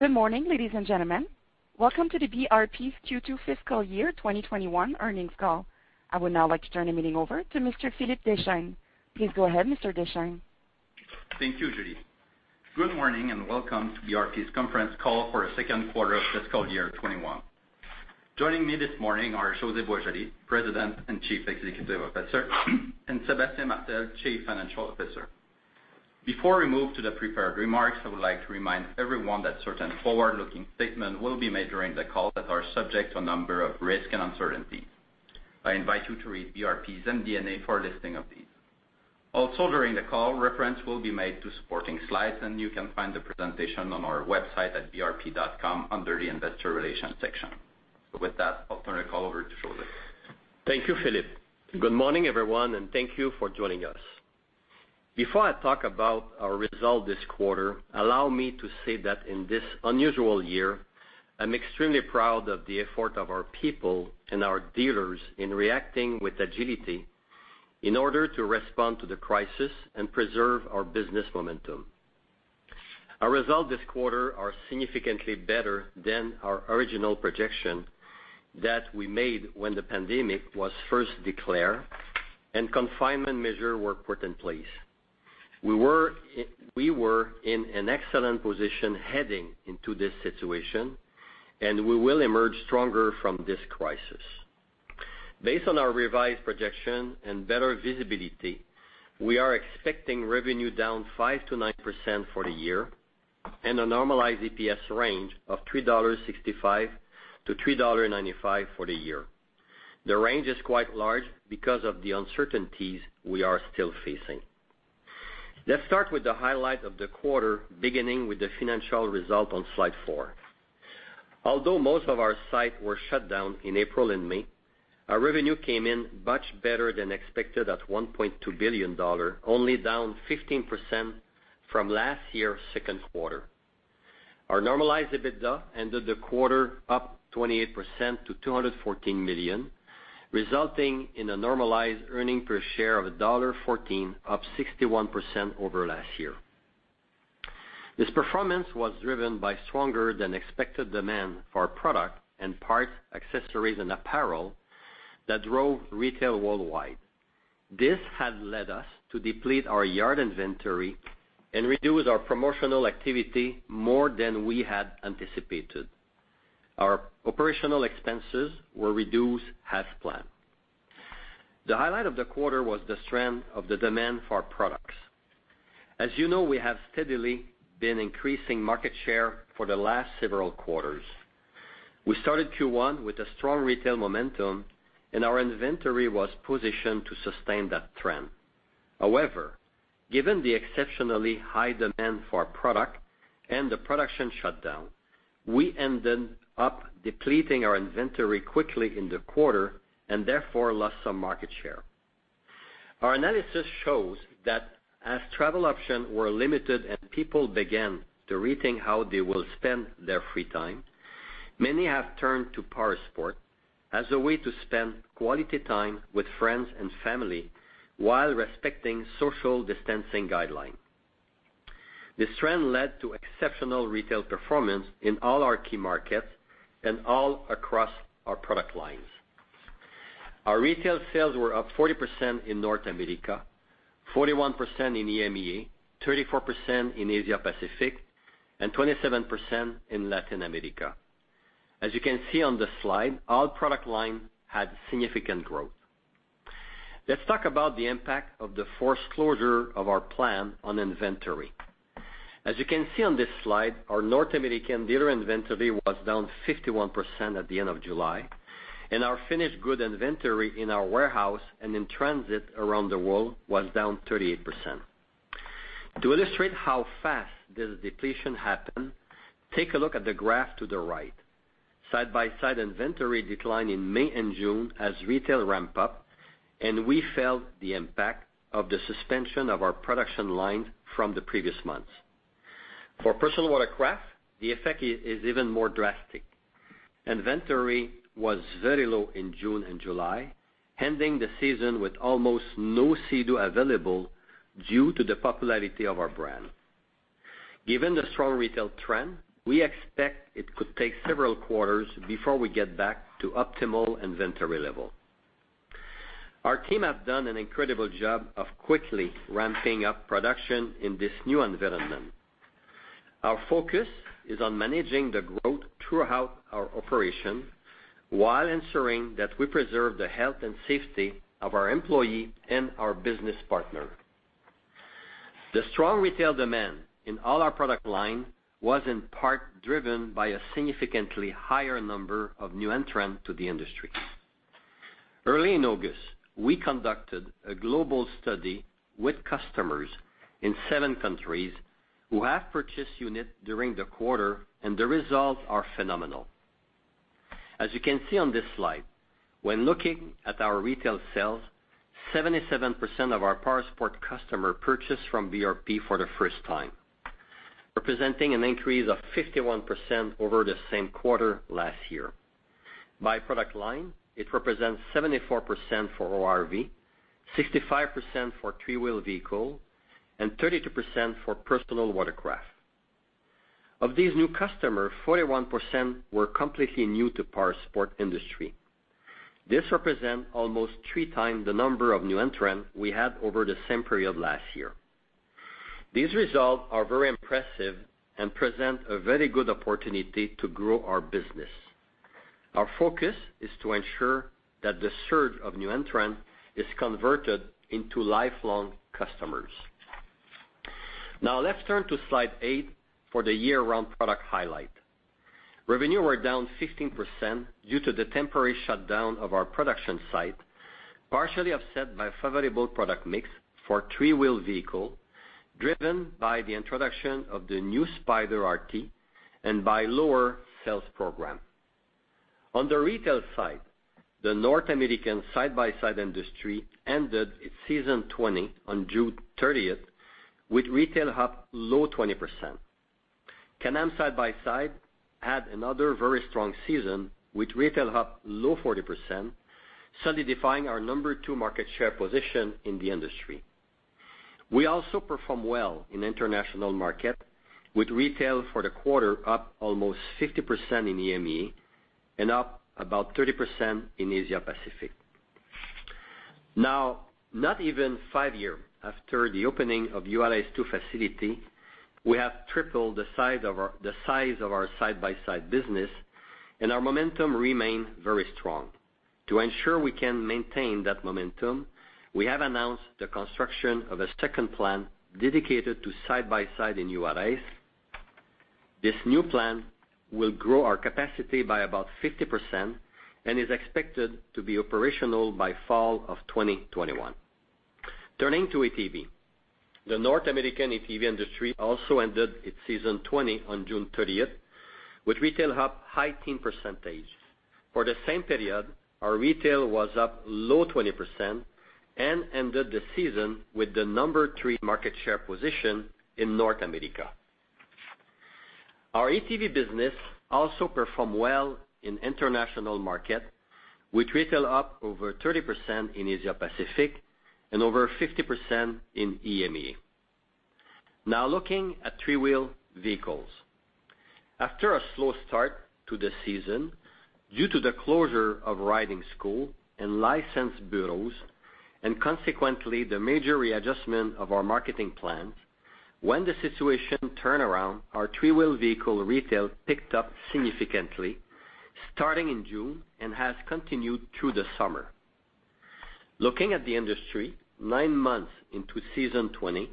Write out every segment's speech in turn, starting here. Good morning, ladies and gentlemen. Welcome to BRP's Q2 fiscal year 2021 earnings call. I would now like to turn the meeting over to Mr. Philippe Deschênes. Please go ahead, Mr. Deschênes. Thank you, Julie. Good morning, and welcome to BRP's conference call for our second quarter of fiscal year 2021. Joining me this morning are José Boisjoli, President and Chief Executive Officer, and Sébastien Martel, Chief Financial Officer. Before we move to the prepared remarks, I would like to remind everyone that certain forward-looking statements will be made during the call that are subject to a number of risks and uncertainties. I invite you to read BRP's MD&A for a listing of these. Also, during the call, reference will be made to supporting slides, and you can find the presentation on our website at brp.com under the investor relations section. With that, I'll turn the call over to José. Thank you, Philippe. Good morning, everyone. Thank you for joining us. Before I talk about our result this quarter, allow me to say that in this unusual year, I am extremely proud of the effort of our people and our dealers in reacting with agility in order to respond to the crisis and preserve our business momentum. Our results this quarter are significantly better than our original projection that we made when the pandemic was first declared and confinement measures were put in place. We were in an excellent position heading into this situation. We will emerge stronger from this crisis. Based on our revised projection and better visibility, we are expecting revenue down 5%-9% for the year and a normalized EPS range of 3.65-3.95 dollars for the year. The range is quite large because of the uncertainties we are still facing. Let's start with the highlight of the quarter, beginning with the financial result on slide four. Although most of our sites were shut down in April and May, our revenue came in much better than expected at 1.2 billion dollar, only down 15% from last year's second quarter. Our normalized EBITDA ended the quarter up 28% to 214 million, resulting in a normalized earnings per share of dollar 1.14, up 61% over last year. This performance was driven by stronger than expected demand for our product and Parts, Accessories & Apparel that drove retail worldwide. This has led us to deplete our yard inventory and reduce our promotional activity more than we had anticipated. Our operational expenses were reduced as planned. The highlight of the quarter was the strength of the demand for our products. As you know, we have steadily been increasing market share for the last several quarters. We started Q1 with a strong retail momentum, and our inventory was positioned to sustain that trend. However, given the exceptionally high demand for our product and the production shutdown, we ended up depleting our inventory quickly in the quarter and therefore lost some market share. Our analysis shows that as travel options were limited and people began to rethink how they will spend their free time, many have turned to powersports as a way to spend quality time with friends and family while respecting social distancing guidelines. This trend led to exceptional retail performance in all our key markets and all across our product lines. Our retail sales were up 40% in North America, 41% in EMEA, 34% in Asia Pacific, and 27% in Latin America. As you can see on the slide, all product lines had significant growth. Let's talk about the impact of the forced closure of our plant on inventory. As you can see on this slide, our North American dealer inventory was down 51% at the end of July, and our finished good inventory in our warehouse and in transit around the world was down 38%. To illustrate how fast this depletion happened, take a look at the graph to the right. side-by-side inventory declined in May and June as retail ramped up, and we felt the impact of the suspension of our production line from the previous months. For personal watercraft, the effect is even more drastic. Inventory was very low in June and July, ending the season with almost no Sea-Doo available due to the popularity of our brand. Given the strong retail trend, we expect it could take several quarters before we get back to optimal inventory level. Our team has done an incredible job of quickly ramping up production in this new environment. Our focus is on managing the growth throughout our operation while ensuring that we preserve the health and safety of our employees and our business partners. The strong retail demand in all our product lines was in part driven by a significantly higher number of new entrants to the industry. Early in August, we conducted a global study with customers in seven countries who have purchased units during the quarter. The results are phenomenal. As you can see on this slide, when looking at our retail sales, 77% of our powersport customers purchased from BRP for the first time, representing an increase of 51% over the same quarter last year. By product line, it represents 74% for ORV, 65% for three-wheeled vehicle, and 32% for personal watercraft. Of these new customers, 41% were completely new to powersports industry. This represents almost three times the number of new entrants we had over the same period last year. These results are very impressive and present a very good opportunity to grow our business. Our focus is to ensure that the surge of new entrants is converted into lifelong customers. Let's turn to Slide eight for the year-round product highlight. Revenue was down 15% due to the temporary shutdown of our production site, partially offset by favorable product mix for three-wheeled vehicle, driven by the introduction of the new Spyder RT and by lower sales program. On the retail side, the North American side-by-side industry ended its season 20 on June 30th, with retail up low 20%. Can-Am side-by-side had another very strong season, with retail up low 40%, solidifying our number two market share position in the industry. We also performed well in the international market, with retail for the quarter up almost 50% in EMEA and up about 30% in Asia Pacific. Now, not even five years after the opening of the Valais facility, we have tripled the size of our side-by-side business, and our momentum remains very strong. To ensure we can maintain that momentum, we have announced the construction of a second plant dedicated to side-by-side in Valais. This new plant will grow our capacity by about 50% and is expected to be operational by fall of 2021. Turning to ATV. The North American ATV industry also ended its season 20 on June 30th, with retail up high teen percent. For the same period, our retail was up low 20% and ended the season with the number three market share position in North America. Our ATV business also performed well in the international market, with retail up over 30% in Asia Pacific and over 50% in EMEA. Now looking at three-wheel vehicles. After a slow start to the season due to the closure of riding schools and license bureaus, consequently, the major readjustment of our marketing plans, when the situation turned around, our three-wheel vehicle retail picked up significantly, starting in June and has continued through the summer. Looking at the industry, nine months into season 20,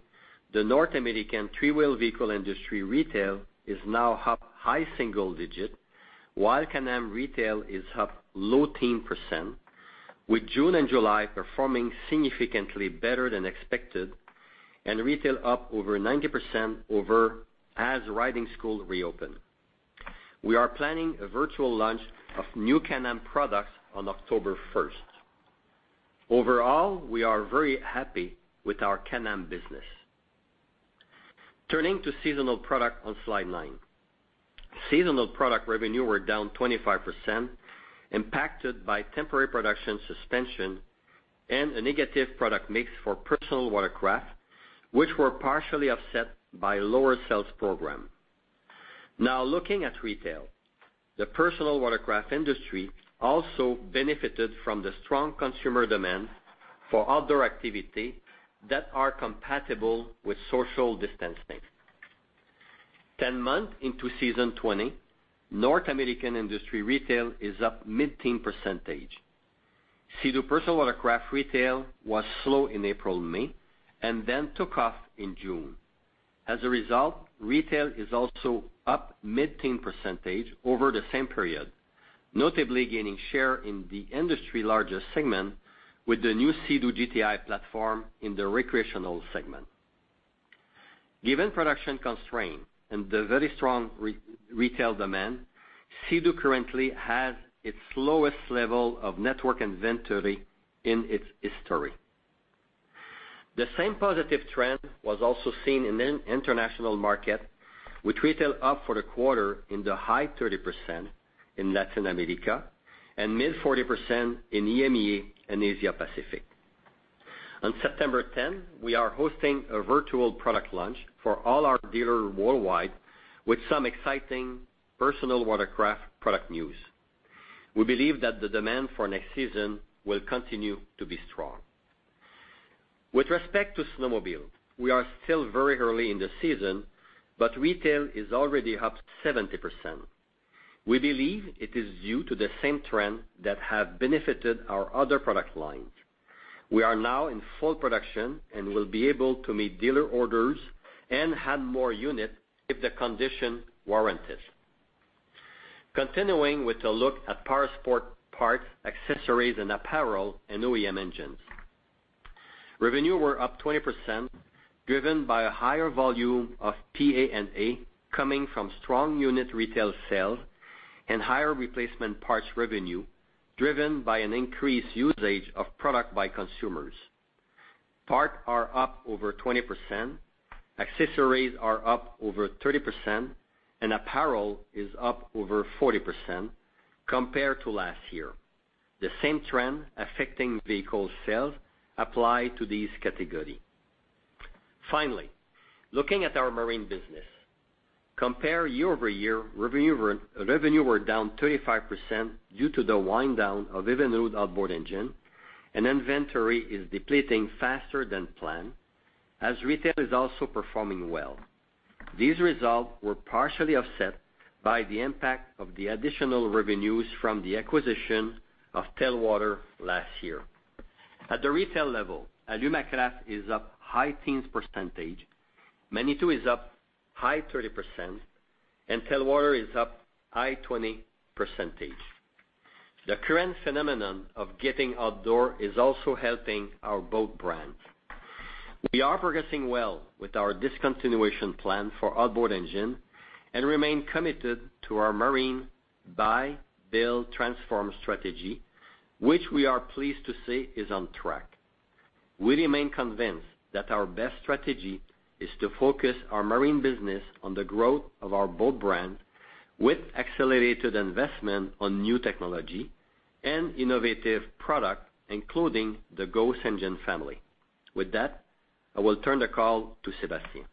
the North American three-wheel vehicle industry retail is now up high single digits, while Can-Am retail is up low teen %, with June and July performing significantly better than expected and retail up over 90% as riding schools reopen. We are planning a virtual launch of new Can-Am products on October 1st. Overall, we are very happy with our Can-Am business. Turning to seasonal product on Slide 9. Seasonal product revenue was down 25%, impacted by temporary production suspension and a negative product mix for personal watercraft, which were partially offset by lower sales program. Looking at retail. The personal watercraft industry also benefited from the strong consumer demand for outdoor activities that are compatible with social distancing. 10 months into season 2020, North American industry retail is up mid-teen percentage. Sea-Doo personal watercraft retail was slow in April and May and then took off in June. As a result, retail is also up mid-teen percentage over the same period, notably gaining share in the industry's largest segment with the new Sea-Doo GTI platform in the recreational segment. Given production constraints and the very strong retail demand, Sea-Doo currently has its lowest level of network inventory in its history. The same positive trend was also seen in an international market, with retail up for the quarter in the high 30% in Latin America and mid 40% in EMEA and Asia Pacific. On September 10, we are hosting a virtual product launch for all our dealers worldwide with some exciting personal watercraft product news. We believe that the demand for next season will continue to be strong. With respect to snowmobile, we are still very early in the season, but retail is already up 70%. We believe it is due to the same trend that has benefited our other product lines. We are now in full production and will be able to meet dealer orders and have more units if the conditions warrant it. Continuing with a look at Powersports parts, accessories, and apparel, and OEM engines. Revenue was up 20%, driven by a higher volume of PA&A coming from strong unit retail sales and higher replacement parts revenue, driven by an increased usage of product by consumers. Parts are up over 20%, accessories are up over 30%, and apparel is up over 40% compared to last year. The same trend affecting vehicle sales apply to this category. Finally, looking at our marine business. Compare year-over-year, revenue were down 35% due to the wind down of Evinrude outboard engine and inventory is depleting faster than planned as retail is also performing well. These results were partially offset by the impact of the additional revenues from the acquisition of Telwater last year. At the retail level, Alumacraft is up high teens percentage, Manitou is up high 30%, and Telwater is up high 20%. The current phenomenon of getting outdoor is also helping our boat brands. We are progressing well with our discontinuation plan for outboard engine and remain committed to our marine buy, build, transform strategy, which we are pleased to say is on track. We remain convinced that our best strategy is to focus our marine business on the growth of our boat brand with accelerated investment on new technology and innovative product, including the Ghost engine family. With that, I will turn the call to Sébastien.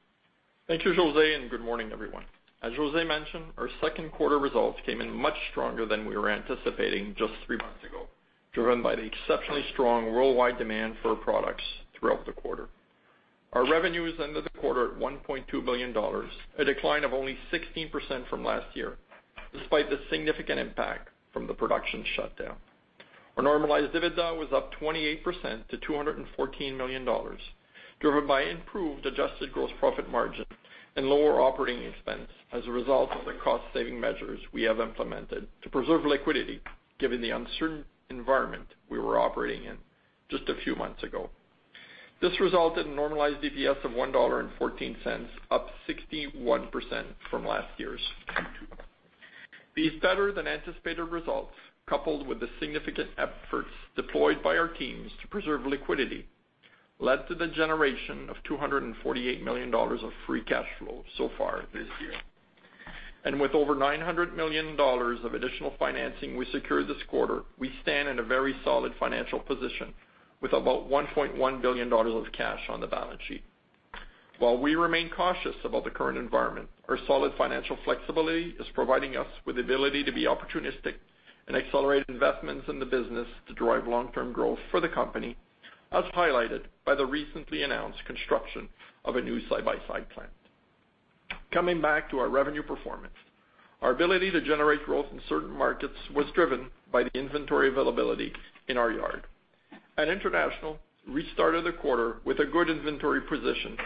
Thank you, José. Good morning, everyone. As José mentioned, our second quarter results came in much stronger than we were anticipating just three months ago, driven by the exceptionally strong worldwide demand for our products throughout the quarter. Our revenues ended the quarter at 1.2 billion dollars, a decline of only 16% from last year, despite the significant impact from the production shutdown. Our normalized EBITDA was up 28% to 214 million dollars, driven by improved adjusted gross profit margin and lower operating expense as a result of the cost-saving measures we have implemented to preserve liquidity, given the uncertain environment we were operating in just a few months ago. This resulted in normalized EPS of 1.14 dollar, up 61% from last year's. These better-than-anticipated results, coupled with the significant efforts deployed by our teams to preserve liquidity, led to the generation of 248 million dollars of free cash flow so far this year. With over 900 million dollars of additional financing we secured this quarter, we stand in a very solid financial position with about 1.1 billion dollars of cash on the balance sheet. While we remain cautious about the current environment, our solid financial flexibility is providing us with the ability to be opportunistic and accelerate investments in the business to drive long-term growth for the company, as highlighted by the recently announced construction of a new side-by-side plant. Coming back to our revenue performance, our ability to generate growth in certain markets was driven by the inventory availability in our yard, and international restarted the quarter with a good inventory position,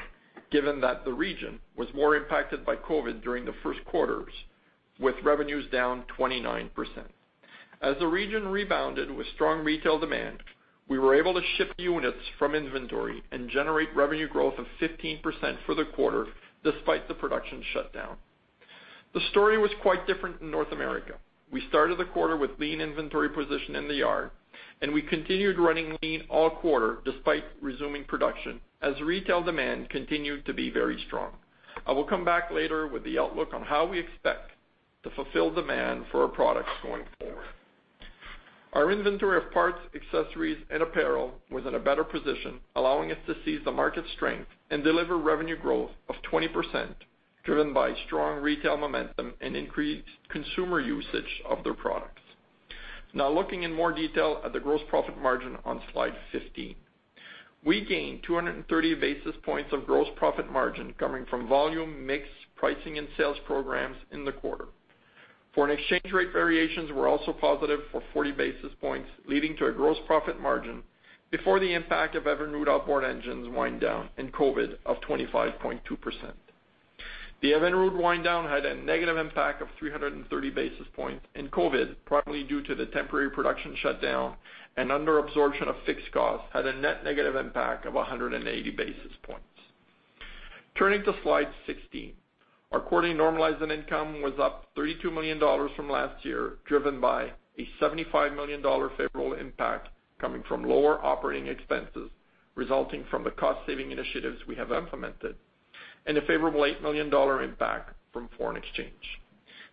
given that the region was more impacted by COVID during the first quarters, with revenues down 29%. As the region rebounded with strong retail demand, we were able to ship units from inventory and generate revenue growth of 15% for the quarter, despite the production shutdown. The story was quite different in North America. We started the quarter with lean inventory position in the yard, and we continued running lean all quarter despite resuming production as retail demand continued to be very strong. I will come back later with the outlook on how we expect to fulfill demand for our products going forward. Our inventory of parts, accessories, and apparel was in a better position, allowing us to seize the market strength and deliver revenue growth of 20%, driven by strong retail momentum and increased consumer usage of their products. Now, looking in more detail at the gross profit margin on slide 15. We gained 230 basis points of gross profit margin coming from volume, mix, pricing and sales programs in the quarter. Foreign exchange rate variations were also positive for 40 basis points, leading to a gross profit margin before the impact of Evinrude outboard engines wind down and COVID of 25.2%. The Evinrude wind down had a negative impact of 330 basis points in COVID, primarily due to the temporary production shutdown and under absorption of fixed costs, had a net negative impact of 180 basis points. Turning to slide 16. Our quarterly normalized net income was up 32 million dollars from last year, driven by a 75 million dollar favorable impact coming from lower operating expenses resulting from the cost-saving initiatives we have implemented, and a favorable 8 million dollar impact from foreign exchange.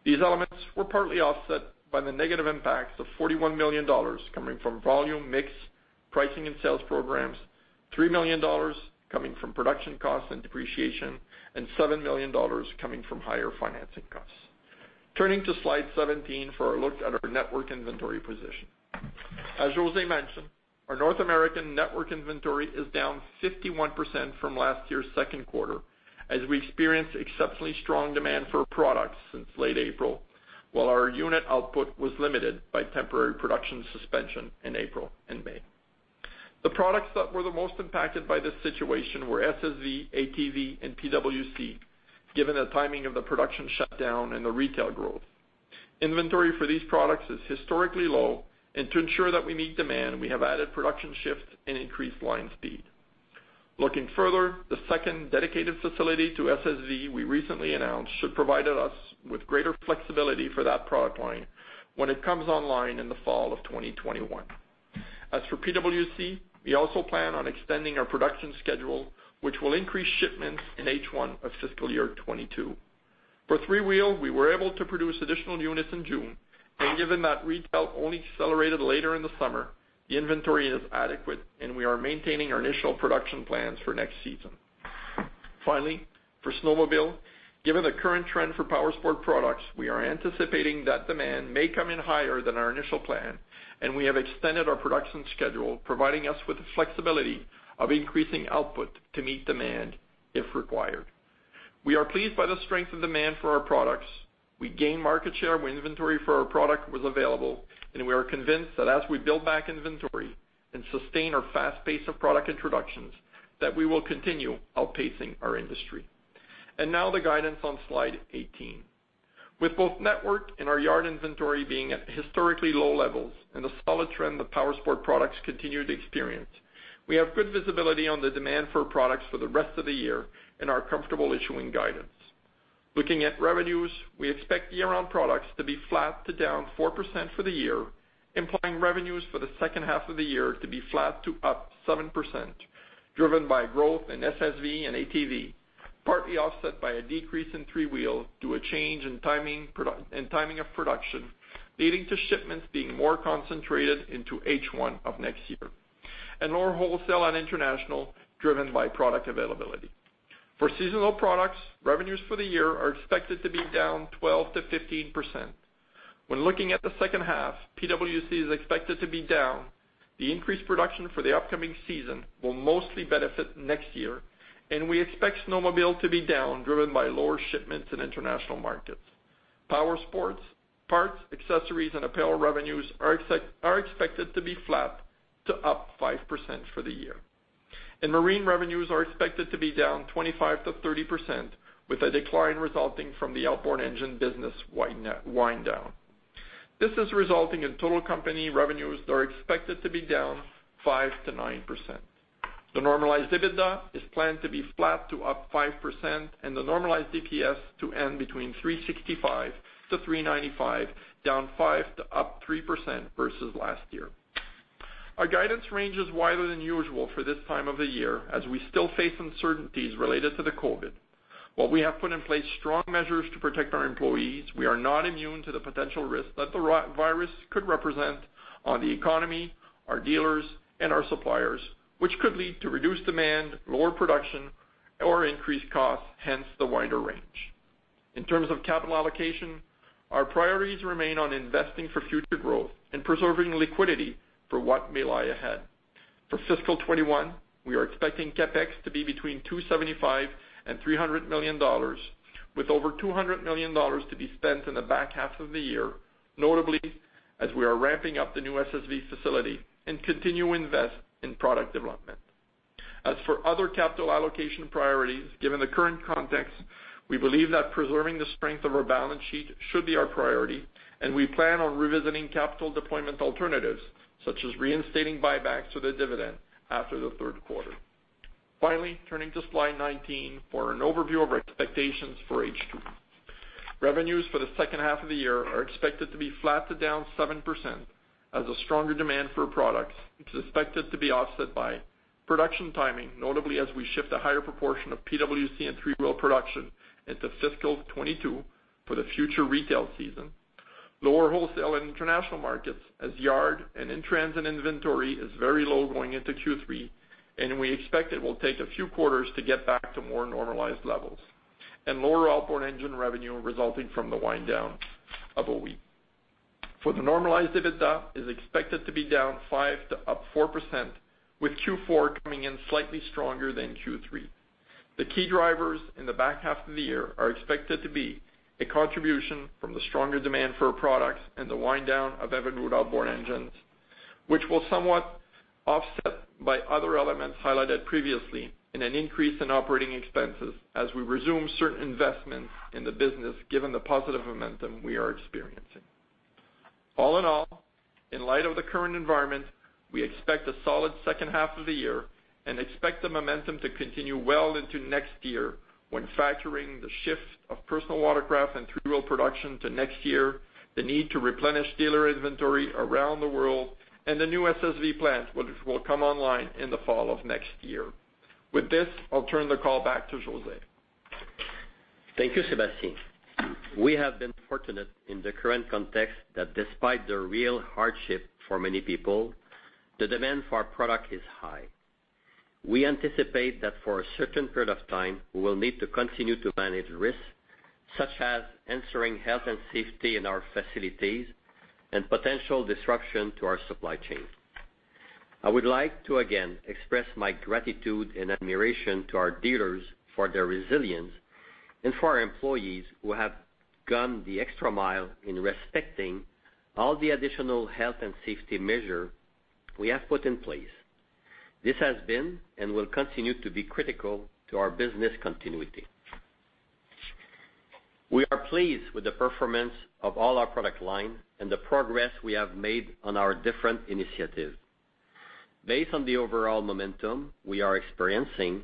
These elements were partly offset by the negative impacts of 41 million dollars coming from volume, mix, pricing and sales programs, 3 million dollars coming from production costs and depreciation, and 7 million dollars coming from higher financing costs. Turning to slide 17 for a look at our network inventory position. As José mentioned, our North American network inventory is down 51% from last year's second quarter as we experienced exceptionally strong demand for products since late April, while our unit output was limited by temporary production suspension in April and May. The products that were the most impacted by this situation were SSV, ATV, and PWC, given the timing of the production shutdown and the retail growth. Inventory for these products is historically low, and to ensure that we meet demand, we have added production shifts and increased line speed. Looking further, the second dedicated facility to SSV we recently announced should provide us with greater flexibility for that product line when it comes online in the fall of 2021. As for PWC, we also plan on extending our production schedule, which will increase shipments in H1 of fiscal year 2022. For three-wheel, we were able to produce additional units in June, and given that retail only accelerated later in the summer, the inventory is adequate and we are maintaining our initial production plans for next season. Finally, for snowmobile, given the current trend for powersport products, we are anticipating that demand may come in higher than our initial plan, and we have extended our production schedule, providing us with the flexibility of increasing output to meet demand if required. We are pleased by the strength of demand for our products. We gained market share when inventory for our product was available. We are convinced that as we build back inventory and sustain our fast pace of product introductions, that we will continue outpacing our industry. Now the guidance on slide 18. With both network and our yard inventory being at historically low levels and the solid trend that powersport products continue to experience, we have good visibility on the demand for products for the rest of the year and are comfortable issuing guidance. Looking at revenues, we expect year-round products to be flat to down 4% for the year, implying revenues for the second half of the year to be flat to up 7%, driven by growth in SSV and ATV, partly offset by a decrease in three-wheel due to a change in timing of production, leading to shipments being more concentrated into H1 of next year, and lower wholesale on international, driven by product availability. For seasonal products, revenues for the year are expected to be down 12%-15%. When looking at the second half, PWC is expected to be down. The increased production for the upcoming season will mostly benefit next year, and we expect snowmobile to be down, driven by lower shipments in international markets. Powersports, parts, accessories, and apparel revenues are expected to be flat to up 5% for the year. Marine revenues are expected to be down 25%-30%, with a decline resulting from the outboard engine business wind down. This is resulting in total company revenues that are expected to be down 5%-9%. The normalized EBITDA is planned to be flat to up 5%, and the normalized EPS to end between 365-395, down 5% to up 3% versus last year. Our guidance range is wider than usual for this time of the year as we still face uncertainties related to the COVID. While we have put in place strong measures to protect our employees, we are not immune to the potential risk that the virus could represent on the economy, our dealers, and our suppliers, which could lead to reduced demand, lower production or increased costs, hence the wider range. In terms of capital allocation, our priorities remain on investing for future growth and preserving liquidity for what may lie ahead. For fiscal 2021, we are expecting CapEx to be between 275 million and 300 million dollars, with over 200 million dollars to be spent in the back half of the year, notably as we are ramping up the new SSV facility and continue to invest in product development. As for other capital allocation priorities, given the current context, we believe that preserving the strength of our balance sheet should be our priority, and we plan on revisiting capital deployment alternatives, such as reinstating buybacks to the dividend after the third quarter. Finally, turning to slide 19 for an overview of our expectations for H2. Revenues for the second half of the year are expected to be flat to down 7% as a stronger demand for products is expected to be offset by production timing, notably as we shift a higher proportion of PWC and three-wheel production into fiscal 2022 for the future retail season. Lower wholesale in international markets as yard and in-transit inventory is very low going into Q3. We expect it will take a few quarters to get back to more normalized levels. Lower outboard engine revenue resulting from the wind down of OE. For the normalized EBITDA, it's expected to be down 5% to up 4%, with Q4 coming in slightly stronger than Q3. The key drivers in the back half of the year are expected to be a contribution from the stronger demand for products and the wind down of Evinrude outboard engines, which will somewhat offset by other elements highlighted previously in an increase in operating expenses as we resume certain investments in the business given the positive momentum we are experiencing. All in all, in light of the current environment, we expect a solid second half of the year and expect the momentum to continue well into next year when factoring the shift of personal watercraft and three-wheel production to next year, the need to replenish dealer inventory around the world, and the new SSV plant, which will come online in the fall of next year. With this, I'll turn the call back to José. Thank you, Sebastien. We have been fortunate in the current context that despite the real hardship for many people, the demand for our product is high. We anticipate that for a certain period of time, we will need to continue to manage risks, such as ensuring health and safety in our facilities and potential disruption to our supply chain. I would like to again express my gratitude and admiration to our dealers for their resilience and for our employees who have gone the extra mile in respecting all the additional health and safety measure we have put in place. This has been and will continue to be critical to our business continuity. We are pleased with the performance of all our product line and the progress we have made on our different initiatives. Based on the overall momentum we are experiencing,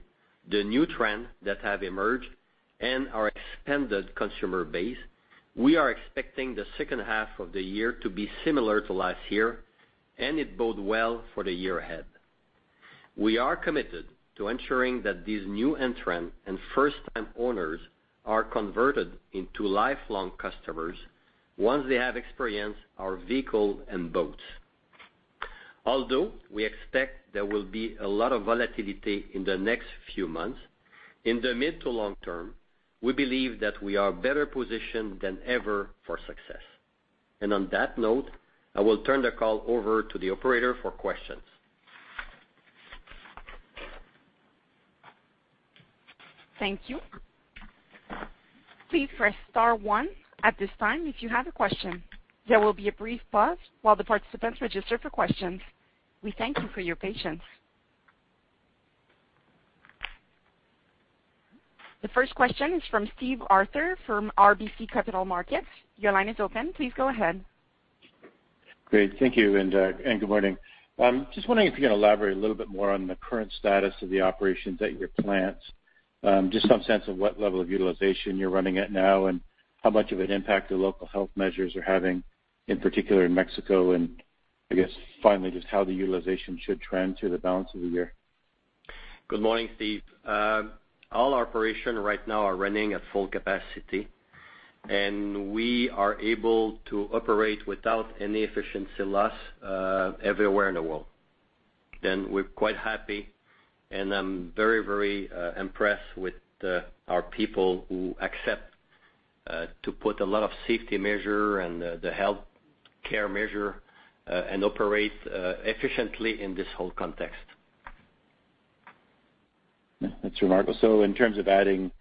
the new trend that have emerged, and our expanded consumer base, we are expecting the second half of the year to be similar to last year, and it bode well for the year ahead. We are committed to ensuring that these new entrants and first-time owners are converted into lifelong customers once they have experienced our vehicles and boats. Although we expect there will be a lot of volatility in the next few months, in the mid to long term, we believe that we are better positioned than ever for success. On that note, I will turn the call over to the operator for questions. Thank you. Please press star one at this time if you have a question. There will be a brief pause while the participants register for questions. We thank you for your patience. The first question is from Steve Arthur from RBC Capital Markets. Your line is open. Please go ahead. Great. Thank you. Good morning. Just wondering if you can elaborate a little bit more on the current status of the operations at your plants. Just some sense of what level of utilization you're running at now, and how much of an impact the local health measures are having, in particular in Mexico, and I guess finally, just how the utilization should trend through the balance of the year. Good morning, Steve. All operations right now are running at full capacity, and we are able to operate without any efficiency loss everywhere in the world. We're quite happy, and I'm very impressed with our people who accept to put a lot of safety measure and the healthcare measure and operate efficiently in this whole context. Yeah, that's remarkable. In terms of adding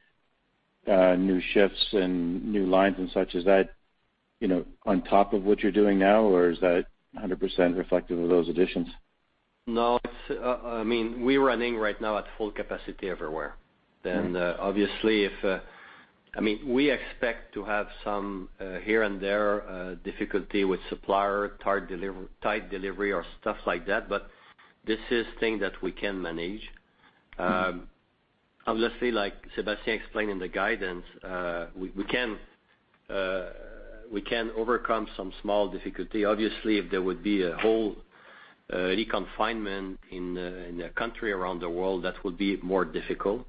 new shifts and new lines and such, is that on top of what you're doing now, or is that 100% reflective of those additions? No. We're running right now at full capacity everywhere. Okay. Obviously, we expect to have some, here and there, difficulty with supplier, tight delivery or stuff like that, but this is thing that we can manage. Obviously, like Sébastien explained in the guidance, we can overcome some small difficulty. Obviously, if there would be a whole re-confinement in the country around the world, that would be more difficult.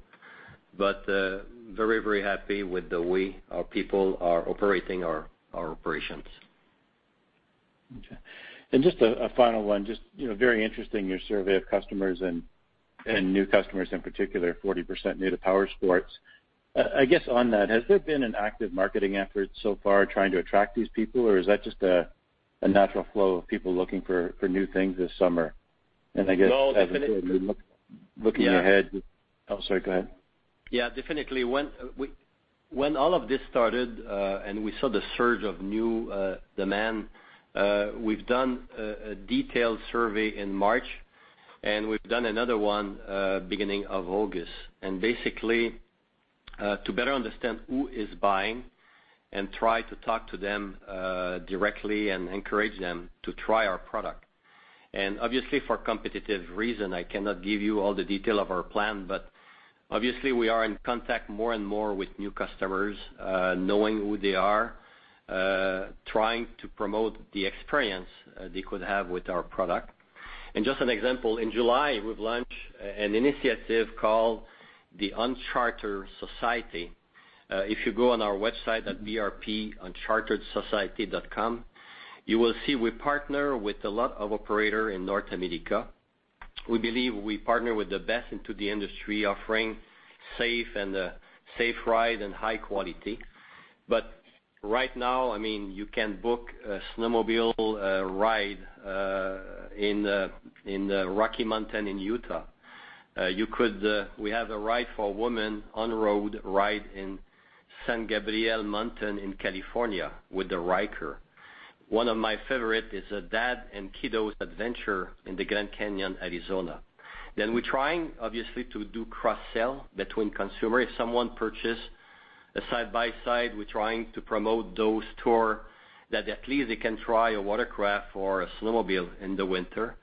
Very happy with the way our people are operating our operations. Okay. Just a final one. Just very interesting, your survey of customers, and new customers in particular, 40% new to powersports. I guess on that, has there been an active marketing effort so far trying to attract these people, or is that just a natural flow of people looking for new things this summer? No, definitely... as we said, we Yeah looking ahead. Oh, sorry, go ahead. Yeah, definitely. When all of this started, and we saw the surge of new demand, we've done a detailed survey in March, and we've done another one beginning of August. Basically, to better understand who is buying and try to talk to them directly and encourage them to try our product. Obviously, for competitive reason, I cannot give you all the detail of our plan, but obviously, we are in contact more and more with new customers, knowing who they are, trying to promote the experience they could have with our product. Just an example, in July, we've launched an initiative called The Uncharted Society. If you go on our website at brpunchartedsociety.com, you will see we partner with a lot of operator in North America. We believe we partner with the best into the industry, offering safe ride and high quality. Right now, you can book a snowmobile ride in the Rocky Mountain in Utah. We have a ride for women on the road, ride in San Gabriel Mountains in California with the Ryker. One of my favorites is a dad and kiddos adventure in the Grand Canyon, Arizona. We're trying, obviously, to do cross-sell between consumers. If someone purchases a side-by-side, we're trying to promote those tours that at least they can try a watercraft or a snowmobile in the winter.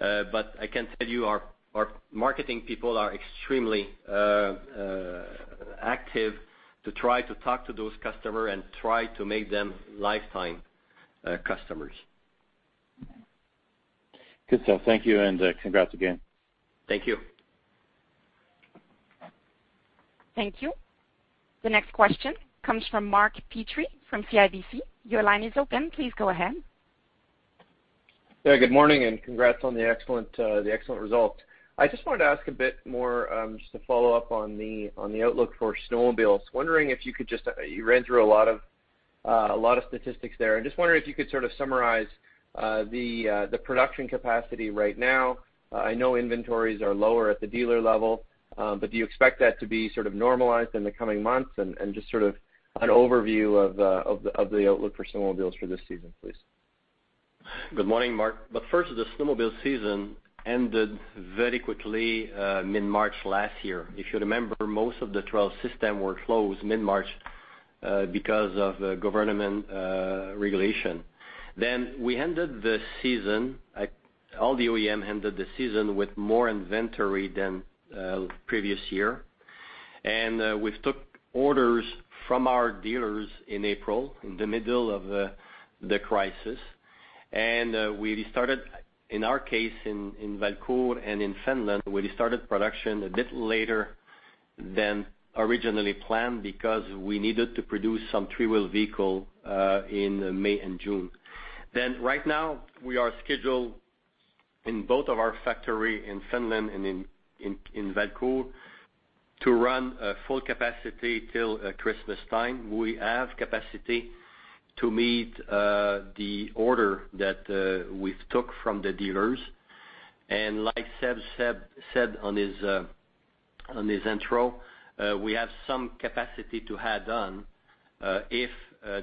I can tell you, our marketing people are extremely active to try to talk to those customers and try to make them lifetime customers. Good stuff. Thank you, and congrats again. Thank you. Thank you. The next question comes from Mark Petrie from CIBC. Your line is open. Please go ahead. Yeah, good morning, and congrats on the excellent result. I just wanted to ask a bit more, just to follow up on the outlook for snowmobiles. You ran through a lot of statistics there. I just wonder if you could sort of summarize the production capacity right now. I know inventories are lower at the dealer level. Do you expect that to be sort of normalized in the coming months? Just sort of an overview of the outlook for snowmobiles for this season, please. Good morning, Mark. First, the snowmobile season ended very quickly mid-March last year. If you remember, most of the trail system were closed mid-March because of government regulation. We ended the season, all the OEM ended the season with more inventory than previous year. We took orders from our dealers in April, in the middle of the crisis. We restarted, in our case, in Valcourt and in Finland, we restarted production a bit later than originally planned because we needed to produce some three-wheel vehicle in May and June. Right now, we are scheduled in both of our factory in Finland and in Valcourt to run full capacity till Christmas time. We have capacity to meet the order that we've took from the dealers. Like Seb said on his intro, we have some capacity to add on, if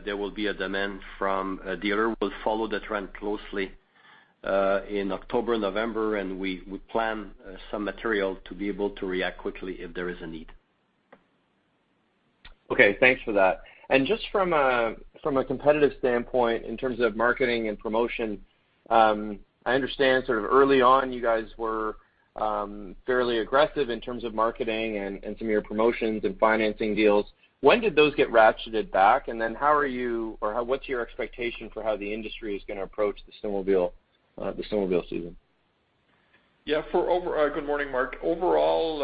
there will be a demand from a dealer. We'll follow the trend closely, in October, November, and we plan some material to be able to react quickly if there is a need. Okay. Thanks for that. Just from a competitive standpoint, in terms of marketing and promotion, I understand sort of early on you guys were fairly aggressive in terms of marketing and some of your promotions and financing deals. When did those get ratcheted back? What's your expectation for how the industry is going to approach the snowmobile season? Good morning, Mark. Overall,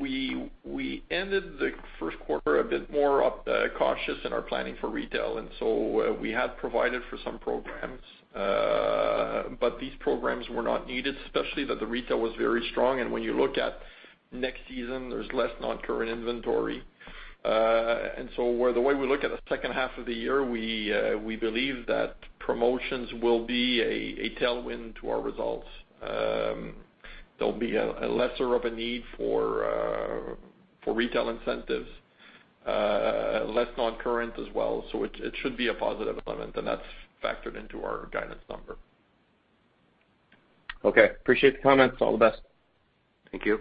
we ended the first quarter a bit more cautious in our planning for retail, we had provided for some programs. These programs were not needed, especially that the retail was very strong, and when you look at next season, there's less non-current inventory. The way we look at the second half of the year, we believe that promotions will be a tailwind to our results. There'll be a lesser of a need for retail incentives, less non-current as well. It should be a positive element, and that's factored into our guidance number. Okay. Appreciate the comments. All the best. Thank you.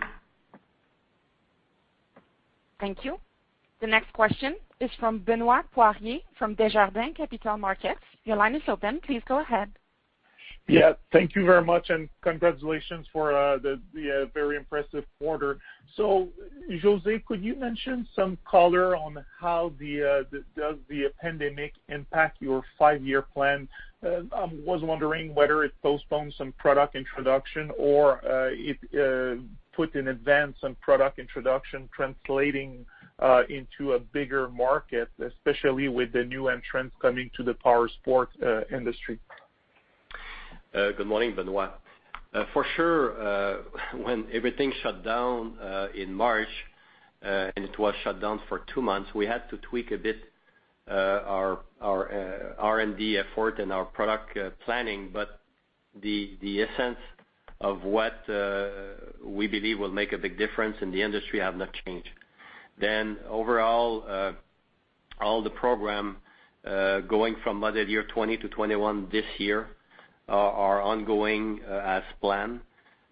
Thank you. The next question is from Benoit Poirier from Desjardins Capital Markets. Your line is open. Please go ahead. Yeah. Thank you very much, and congratulations for the very impressive quarter. José, could you mention some color on how does the pandemic impact your five-year plan? I was wondering whether it postpones some product introduction or it put in advance some product introduction translating into a bigger market, especially with the new entrants coming to the powersports industry. Good morning, Benoit. For sure, when everything shut down, in March, and it was shut down for two months, we had to tweak a bit our R&D effort and our product planning, but the essence of what we believe will make a big difference in the industry have not changed. Overall, all the program, going from model year 2020 to 2021 this year, are ongoing as planned.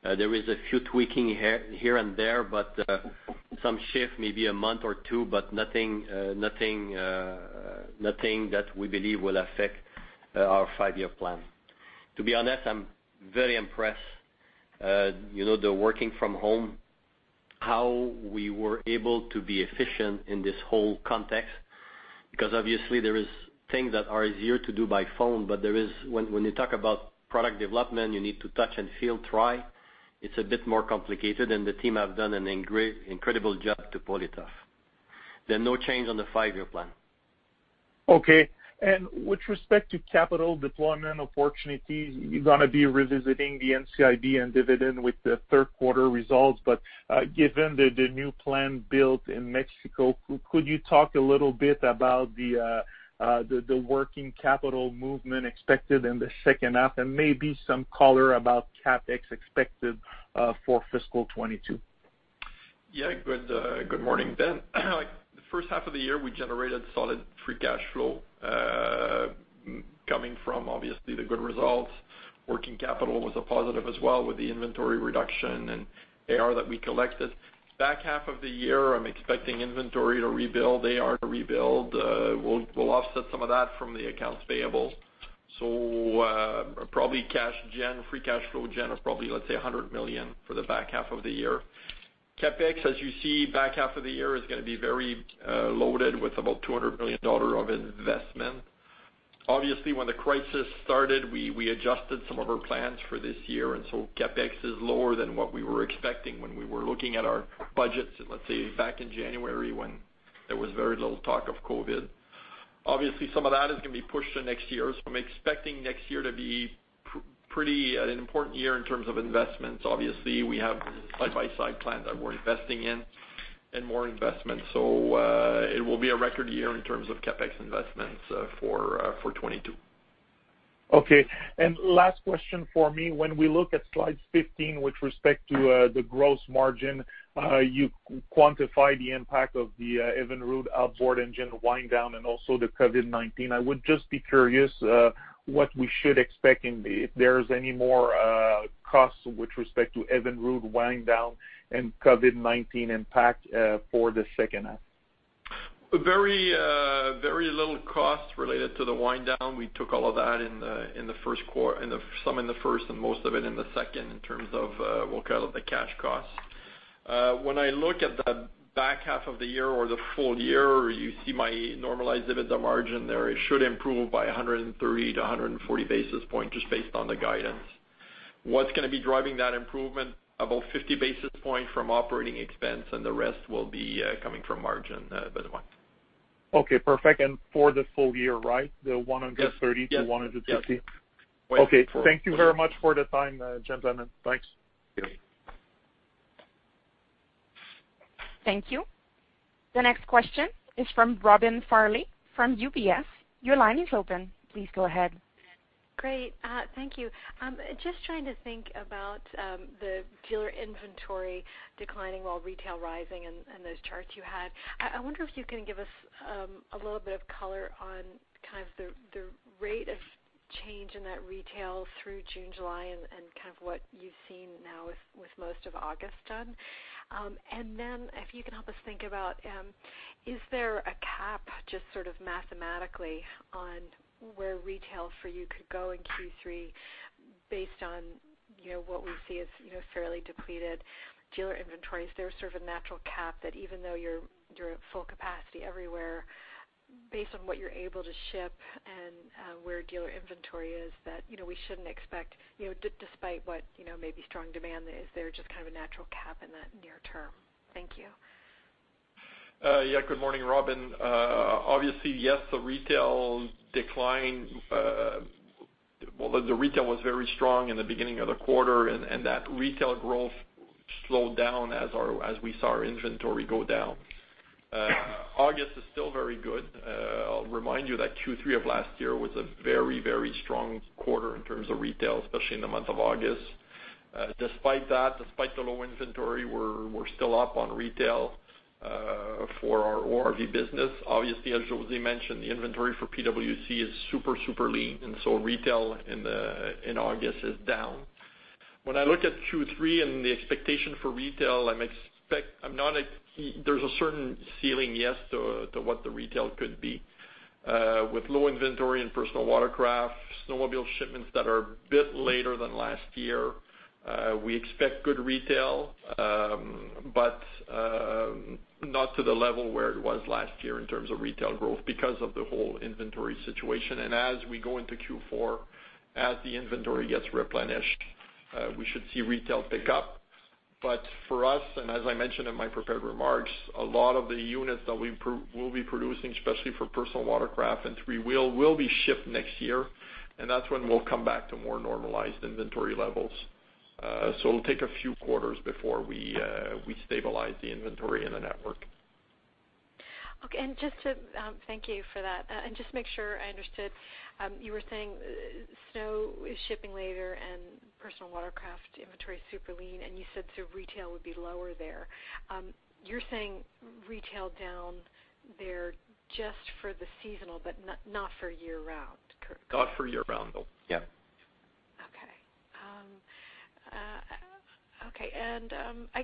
There is a few tweaking here and there, but some shift, maybe a month or two, but nothing that we believe will affect our five-year plan. To be honest, I'm very impressed. The working from home, how we were able to be efficient in this whole context, because obviously there is things that are easier to do by phone, but when you talk about product development, you need to touch and feel, try. It's a bit more complicated, and the team have done an incredible job to pull it off. There are no change on the five-year plan. Okay. With respect to capital deployment opportunities, you're going to be revisiting the NCIB and dividend with the third quarter results. Given the new plan built in Mexico, could you talk a little bit about the working capital movement expected in the second half and maybe some color about CapEx expected for fiscal 2022? Good morning, Ben. The first half of the year, we generated solid free cash flow, coming from obviously the good results. Working capital was a positive as well with the inventory reduction and AR that we collected. Back half of the year, I'm expecting inventory to rebuild, AR to rebuild. We'll offset some of that from the accounts payable. Probably cash gen, free cash flow gen is probably, let's say, 100 million for the back half of the year. CapEx, as you see, back half of the year is going to be very loaded with about 200 million dollar of investment. Obviously, when the crisis started, we adjusted some of our plans for this year, CapEx is lower than what we were expecting when we were looking at our budgets, let's say, back in January, when there was very little talk of COVID. Obviously, some of that is going to be pushed to next year. I'm expecting next year to be pretty an important year in terms of investments. Obviously, we have side-by-side plan that we're investing in and more investments. It will be a record year in terms of CapEx investments for 2022. Okay. Last question for me. When we look at slide 15 with respect to the gross margin, you quantify the impact of the Evinrude outboard engine wind down and also the COVID-19. I would just be curious, what we should expect if there's any more costs with respect to Evinrude winding down and COVID-19 impact for the second half. Very little cost related to the wind down. We took all of that some in the first and most of it in the second, in terms of what kind of the cash costs. When I look at the back half of the year or the full year, you see my normalized EBITDA margin there. It should improve by 130-140 basis points just based on the guidance. What is going to be driving that improvement? About 50 basis points from operating expense and the rest will be coming from margin, Benoit. Okay, perfect. For the full year, right? The 130-150. Yes. Okay. Thank you very much for the time, gentlemen. Thanks. Thank you. Thank you. The next question is from Robin Farley from UBS. Your line is open. Please go ahead. Great. Thank you. Just trying to think about the dealer inventory declining while retail rising and those charts you had. I wonder if you can give us a little bit of color on kind of the rate of change in that retail through June, July, and kind of what you've seen now with most of August done. If you can help us think about, is there a cap just sort of mathematically on where retail for you could go in Q3 based on what we see as fairly depleted dealer inventory? Is there sort of a natural cap that even though you're at full capacity everywhere based on what you're able to ship and where dealer inventory is that we shouldn't expect despite what may be strong demand, is there just kind of a natural cap in the near term? Thank you. Yeah. Good morning, Robin. Obviously, yes, the retail decline. Well, the retail was very strong in the beginning of the quarter, and that retail growth slowed down as we saw our inventory go down. August is still very good. I'll remind you that Q3 of last year was a very strong quarter in terms of retail, especially in the month of August. Despite that, despite the low inventory, we're still up on retail for our ORV business. Obviously, as José mentioned, the inventory for PWC is super lean and so retail in August is down. When I look at Q3 and the expectation for retail, there's a certain ceiling, yes, to what the retail could be. With low inventory in personal watercraft, snowmobile shipments that are a bit later than last year we expect good retail but not to the level where it was last year in terms of retail growth because of the whole inventory situation. As we go into Q4, as the inventory gets replenished we should see retail pick up. For us, and as I mentioned in my prepared remarks, a lot of the units that we will be producing, especially for personal watercraft and three-wheel will be shipped next year, and that's when we'll come back to more normalized inventory levels. It'll take a few quarters before we stabilize the inventory in the network. Okay. Thank you for that. Just to make sure I understood, you were saying snow is shipping later and personal watercraft inventory is super lean, and you said so retail would be lower there. You're saying retail down there just for the seasonal but not for year round, correct? Not for year round, though. Yeah. Okay.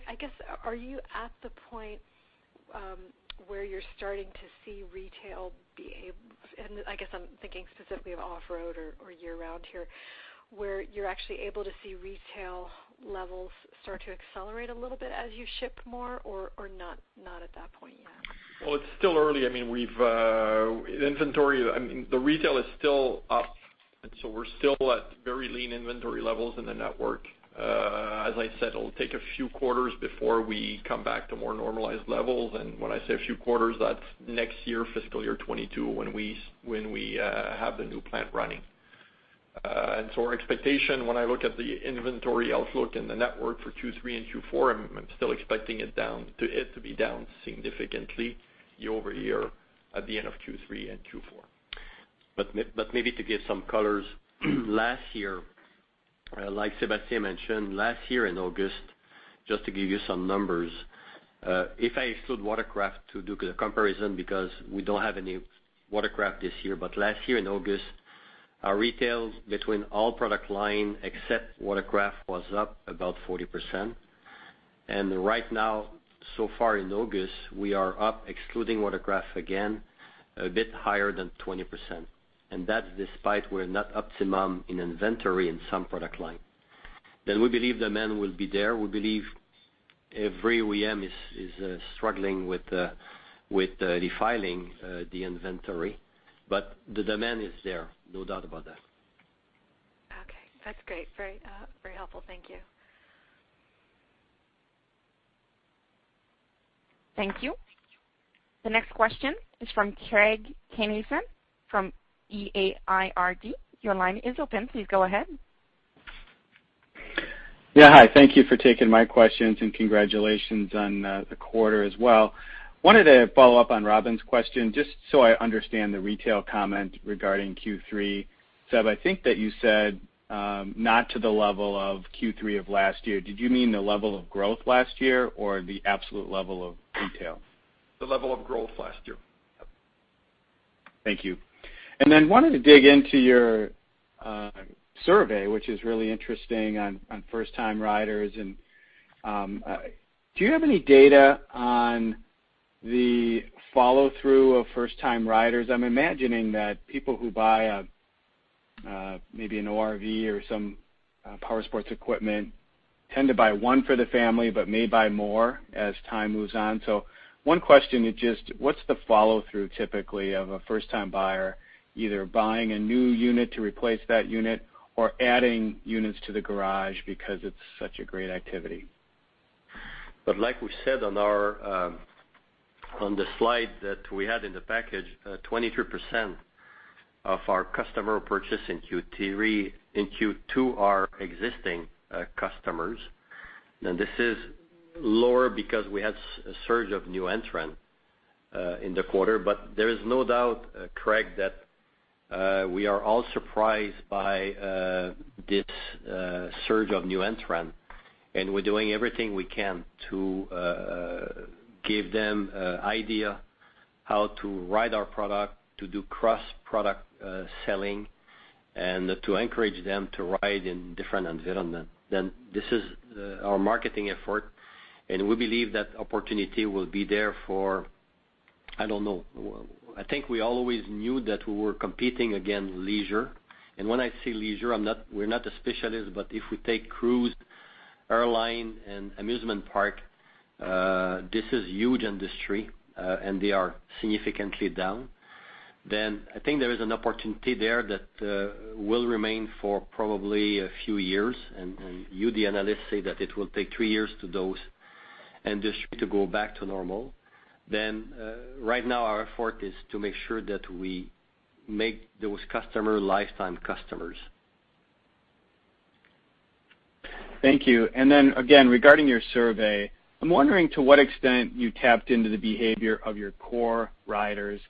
I guess, are you at the point where you're starting to see retail behave, I guess I'm thinking specifically of off-road or year round here, where you're actually able to see retail levels start to accelerate a little bit as you ship more or not at that point yet? It's still early. The retail is still up. We're still at very lean inventory levels in the network. As I said, it'll take a few quarters before we come back to more normalized levels. When I say a few quarters, that's next year, fiscal year 2022 when we have the new plant running. Our expectation when I look at the inventory outlook and the network for Q3 and Q4, I'm still expecting it to be down significantly year-over-year at the end of Q3 and Q4. Maybe to give some colors. Like Sébastien mentioned, last year in August, just to give you some numbers, if I exclude watercraft to do the comparison because we don't have any watercraft this year, but last year in August, our retails between all product line except watercraft was up about 40%. Right now so far in August, we are up excluding watercraft again a bit higher than 20%. That despite we're not optimum in inventory in some product line. We believe demand will be there. We believe every OEM is struggling with refiling the inventory. The demand is there, no doubt about that. Okay. That's great. Very helpful. Thank you. Thank you. The next question is from Craig Kennison from Baird. Your line is open. Please go ahead. Yeah. Hi. Thank you for taking my questions and congratulations on the quarter as well. Wanted to follow up on Robin's question just so I understand the retail comment regarding Q3. Seb, I think that you said not to the level of Q3 of last year. Did you mean the level of growth last year or the absolute level of retail? The level of growth last year. Thank you. I wanted to dig into your survey, which is really interesting on first-time riders. Do you have any data on the follow-through of first-time riders? I'm imagining that people who buy maybe an ORV or some powersports equipment tend to buy one for the family but may buy more as time moves on. One question is just what's the follow-through typically of a first-time buyer, either buying a new unit to replace that unit or adding units to the garage because it's such a great activity? Like we said on the slide that we had in the package, 23% of our customer purchase in Q2 are existing customers. This is lower because we had a surge of new entrants in the quarter. There is no doubt, Craig, that we are all surprised by this surge of new entrants, and we're doing everything we can to give them idea how to ride our product, to do cross-product selling, and to encourage them to ride in different environments. This is our marketing effort, and we believe that opportunity will be there for, I don't know. I think we always knew that we were competing against leisure, and when I say leisure, we're not a specialist, but if we take cruise, airline, and amusement park, this is huge industry, and they are significantly down. I think there is an opportunity there that will remain for probably a few years. You, the analysts, say that it will take three years to those industry to go back to normal. Right now, our effort is to make sure that we make those customer lifetime customers. Thank you. Again, regarding your survey, I'm wondering to what extent you tapped into the behavior of your core riders,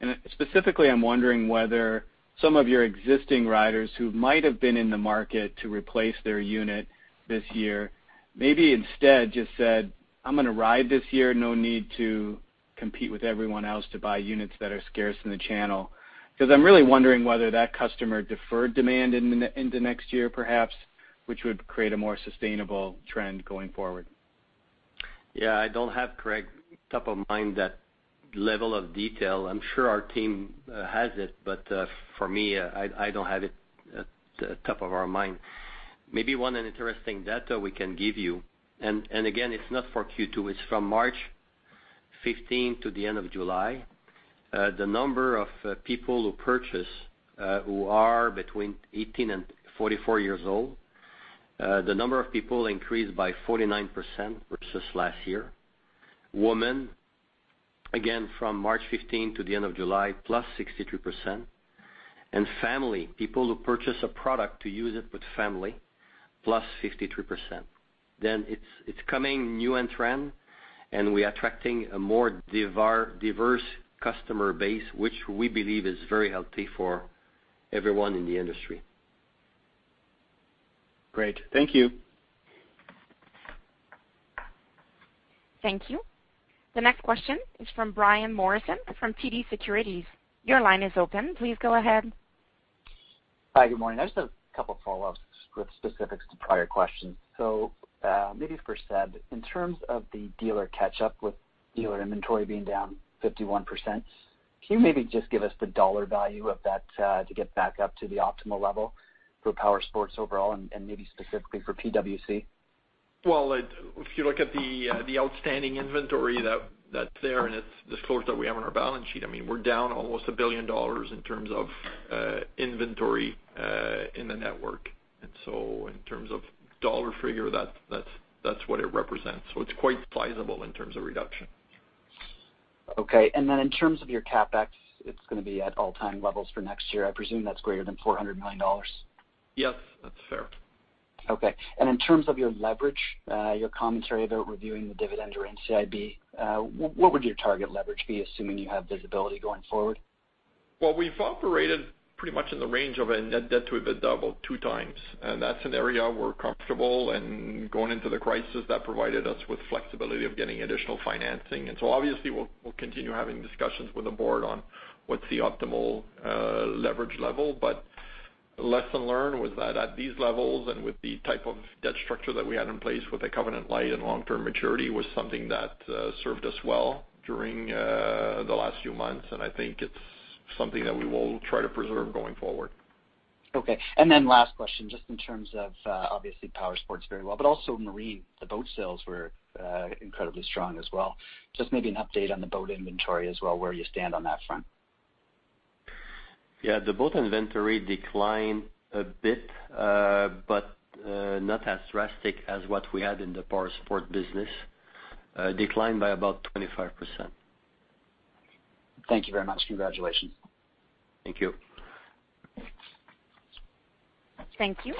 and specifically, I'm wondering whether some of your existing riders who might have been in the market to replace their unit this year, maybe instead just said, "I'm going to ride this year. No need to compete with everyone else to buy units that are scarce in the channel." I'm really wondering whether that customer deferred demand into next year, perhaps, which would create a more sustainable trend going forward. Yeah, I don't have, Craig, top of mind that level of detail. I'm sure our team has it, but for me, I don't have it at the top of our mind. Maybe one interesting data we can give you, and again, it's not for Q2, it's from March 15th to the end of July. The number of people who purchase who are between 18 and 44 years old, the number of people increased by 49% versus last year. Women, again from March 15th to the end of July, +63%. Family, people who purchase a product to use it with family, plus 53%. It's coming new entrant, and we are attracting a more diverse customer base, which we believe is very healthy for everyone in the industry. Great. Thank you. Thank you. The next question is from Brian Morrison from TD Securities. Your line is open. Please go ahead. Hi, good morning. I just have a couple of follow-ups with specifics to prior questions. Maybe for Seb, in terms of the dealer catch-up with dealer inventory being down 51%, can you maybe just give us the CAD value of that to get back up to the optimal level for powersports overall and maybe specifically for PWC? Well, if you look at the outstanding inventory that's there and it's disclosed that we have on our balance sheet, we're down almost 1 billion dollars in terms of inventory in the network. In terms of dollar figure, that's what it represents. It's quite sizable in terms of reduction. Okay. In terms of your CapEx, it's going to be at all-time levels for next year. I presume that's greater than 400 million dollars. Yes, that's fair. Okay. In terms of your leverage, your commentary about reviewing the dividend or NCIB, what would your target leverage be, assuming you have visibility going forward? Well, we've operated pretty much in the range of a net debt to EBITDA of two times, and that's an area we're comfortable and going into the crisis that provided us with flexibility of getting additional financing. Obviously, we'll continue having discussions with the board on what's the optimal leverage level. Lesson learned was that at these levels and with the type of debt structure that we had in place with a covenant light and long-term maturity was something that served us well during the last few months, and I think it's something that we will try to preserve going forward. Okay. Last question, just in terms of, obviously powersports very well, but also marine. The boat sales were incredibly strong as well. Just maybe an update on the boat inventory as well, where you stand on that front. Yeah, the boat inventory declined a bit, but not as drastic as what we had in the powersport business. Declined by about 25%. Thank you very much. Congratulations. Thank you. Thank you.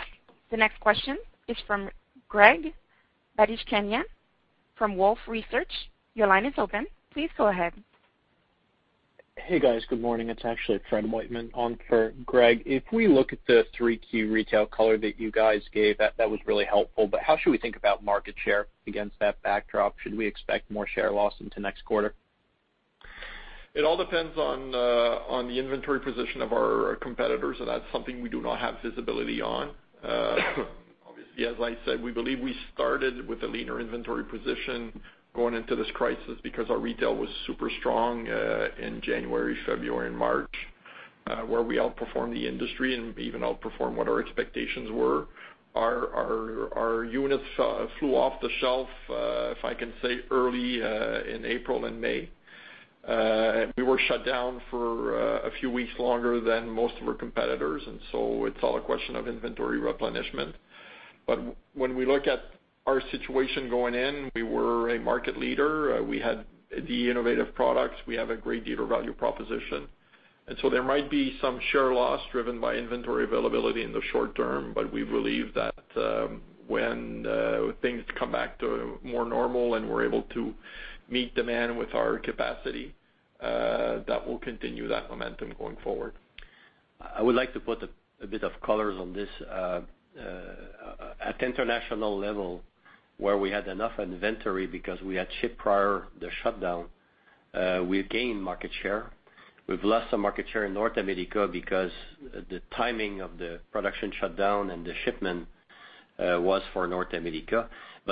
The next question is from Greg Badishkanian from Wolfe Research. Your line is open. Please go ahead. Hey, guys. Good morning. It's actually Fred Wightman on for Greg. If we look at the 3Q retail color that you guys gave, that was really helpful, but how should we think about market share against that backdrop? Should we expect more share loss into next quarter? It all depends on the inventory position of our competitors, and that's something we do not have visibility on. Obviously, as I said, we believe we started with a leaner inventory position going into this crisis because our retail was super strong in January, February, and March where we outperformed the industry and even outperformed what our expectations were. Our units flew off the shelf, if I can say, early in April and May. We were shut down for a few weeks longer than most of our competitors, and so it's all a question of inventory replenishment. When we look at our situation going in, we were a market leader. We had the innovative products. We have a great dealer value proposition. There might be some share loss driven by inventory availability in the short term, but we believe that when things come back to more normal and we're able to meet demand with our capacity, that will continue that momentum going forward. I would like to put a bit of colors on this. At international level, where we had enough inventory because we had shipped prior the shutdown, we've gained market share. We've lost some market share in North America because the timing of the production shutdown and the shipment was for North America.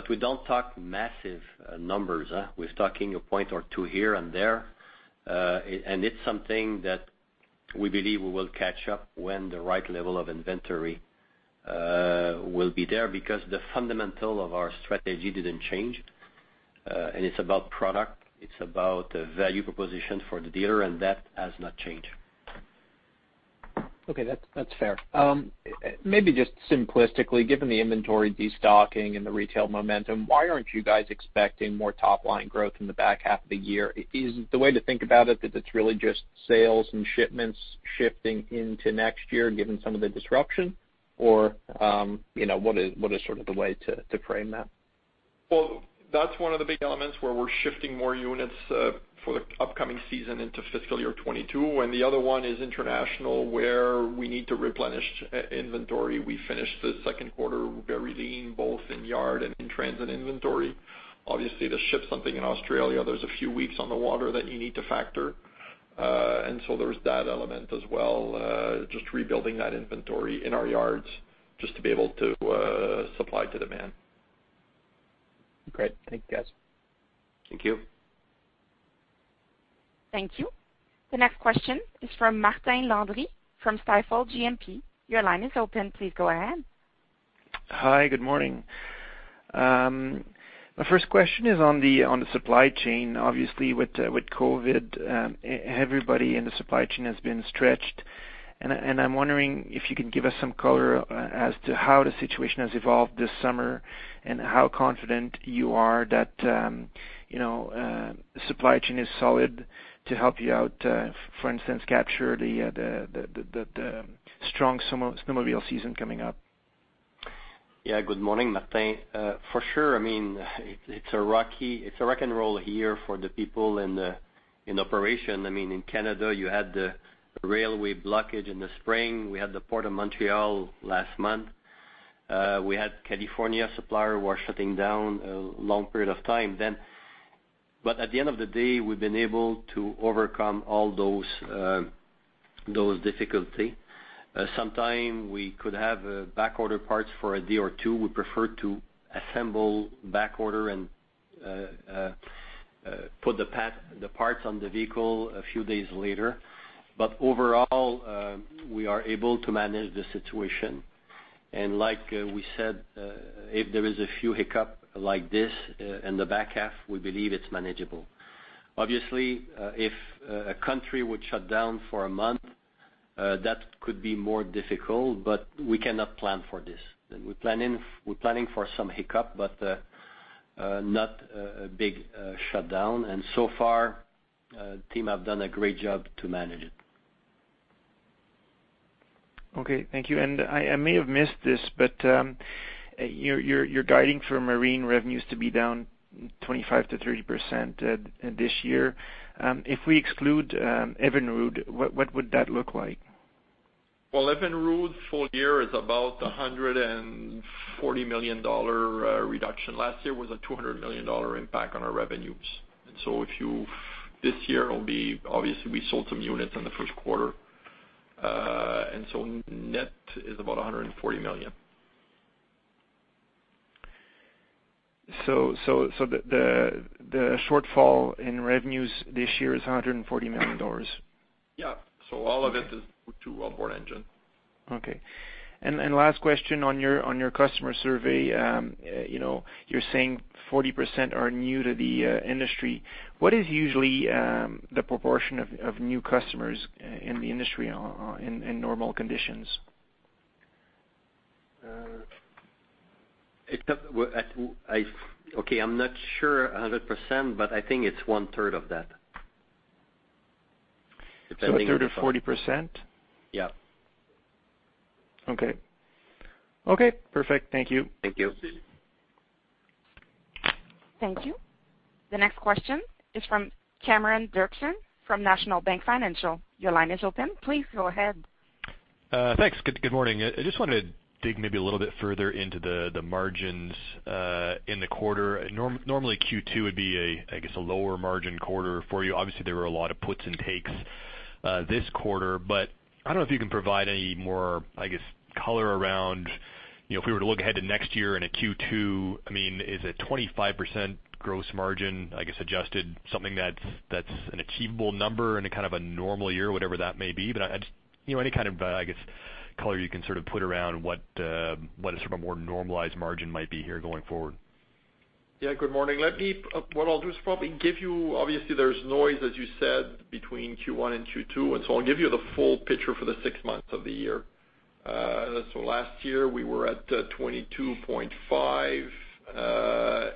We don't talk massive numbers. We're talking a point or two here and there. It's something that we believe we will catch up when the right level of inventory will be there because the fundamental of our strategy didn't change. It's about product. It's about value proposition for the dealer, and that has not changed. Okay, that's fair. Maybe just simplistically, given the inventory destocking and the retail momentum, why aren't you guys expecting more top-line growth in the back half of the year? Is the way to think about it that it's really just sales and shipments shifting into next year, given some of the disruption? What is the way to frame that? Well, that's one of the big elements where we're shifting more units for the upcoming season into fiscal year 2022, and the other one is international, where we need to replenish inventory. We finished the second quarter very lean, both in yard and in-transit inventory. Obviously, to ship something in Australia, there's a few weeks on the water that you need to factor. There's that element as well, just rebuilding that inventory in our yards just to be able to supply to demand. Great. Thank you, guys. Thank you. Thank you. The next question is from Martin Landry from Stifel GMP. Your line is open. Please go ahead. Hi. Good morning. My first question is on the supply chain. Obviously, with COVID, everybody in the supply chain has been stretched, and I'm wondering if you can give us some color as to how the situation has evolved this summer and how confident you are that the supply chain is solid to help you out, for instance, capture the strong snowmobile season coming up. Good morning, Martin. For sure, it's a rock and roll year for the people in operation. In Canada, you had the railway blockage in the spring. We had the Port of Montreal last month. We had California supplier were shutting down a long period of time then. At the end of the day, we've been able to overcome all those difficulty. Sometime we could have backorder parts for a day or two. We prefer to assemble backorder and put the parts on the vehicle a few days later. Overall, we are able to manage the situation. Like we said, if there is a few hiccup like this in the back half, we believe it's manageable. Obviously, if a country would shut down for a month, that could be more difficult, but we cannot plan for this. We're planning for some hiccup, but not a big shutdown. So far, team have done a great job to manage it. Okay. Thank you. I may have missed this, but you're guiding for Marine revenues to be down 25%-30% this year. If we exclude Evinrude, what would that look like? Well, Evinrude full year is about 140 million dollar reduction. Last year was a 200 million dollar impact on our revenues. This year, obviously we sold some units in the first quarter. Net is about 140 million. The shortfall in revenues this year is 140 million dollars. Yeah. All of it is to outboard engine. Okay. Last question on your customer survey. You're saying 40% are new to the industry. What is usually the proportion of new customers in the industry in normal conditions? Okay. I'm not sure 100%, but I think it's 1/3 of that. If I think about. A third of 40%? Yeah. Okay. Okay, perfect. Thank you. Thank you. Thank you. The next question is from Cameron Doerksen from National Bank Financial. Your line is open. Please go ahead. Thanks. Good morning. I just wanted to dig maybe a little bit further into the margins in the quarter. Normally Q2 would be, I guess, a lower margin quarter for you. Obviously, there were a lot of puts and takes this quarter, but I don't know if you can provide any more, I guess, color around, if we were to look ahead to next year in a Q2, is a 25% gross margin, I guess adjusted, something that's an achievable number in a kind of a normal year, whatever that may be. Any kind of, I guess, color you can sort of put around what a sort of a more normalized margin might be here going forward. Yeah. Good morning. What I'll do is probably give you, obviously, there's noise as you said, between Q1 and Q2. I'll give you the full picture for the six months of the year. Last year, we were at 22.5.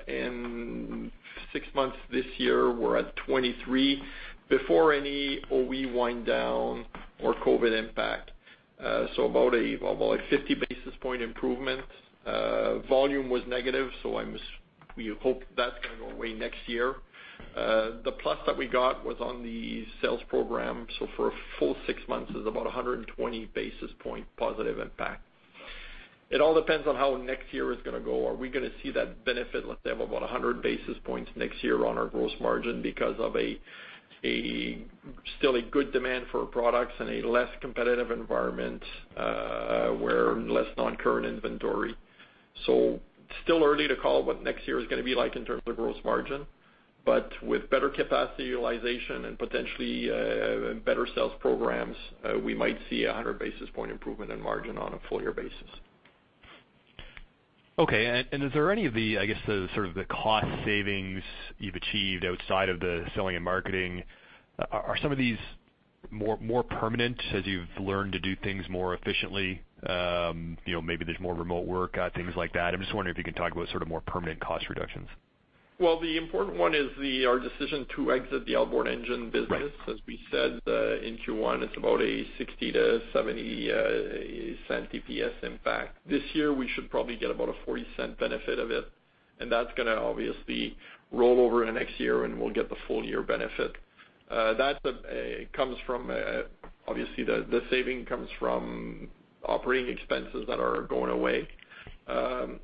In six months this year, we're at 23 before any OE wind down or COVID impact. About a 50 basis points improvement. Volume was negative, we hope that's going to go away next year. The plus that we got was on the sales program. For a full six months, it's about 120 basis points positive impact. It all depends on how next year is going to go. Are we going to see that benefit, let's say of about 100 basis points next year on our gross margin because of still a good demand for products and a less competitive environment, where less non-current inventory. Still early to call what next year is going to be like in terms of gross margin, but with better capacity utilization and potentially better sales programs, we might see 100 basis point improvement in margin on a full year basis. Okay. Is there any of the, I guess, the sort of the cost savings you've achieved outside of the selling and marketing, are some of these more permanent as you've learned to do things more efficiently? Maybe there's more remote work, things like that. I'm just wondering if you can talk about sort of more permanent cost reductions. The important one is our decision to exit the outboard engine business. Right. As we said, in Q1, it's about a 0.60-0.70 EPS impact. This year, we should probably get about a 0.40 benefit of it, and that's going to obviously roll over into next year, and we'll get the full year benefit. Obviously, the saving comes from operating expenses that are going away.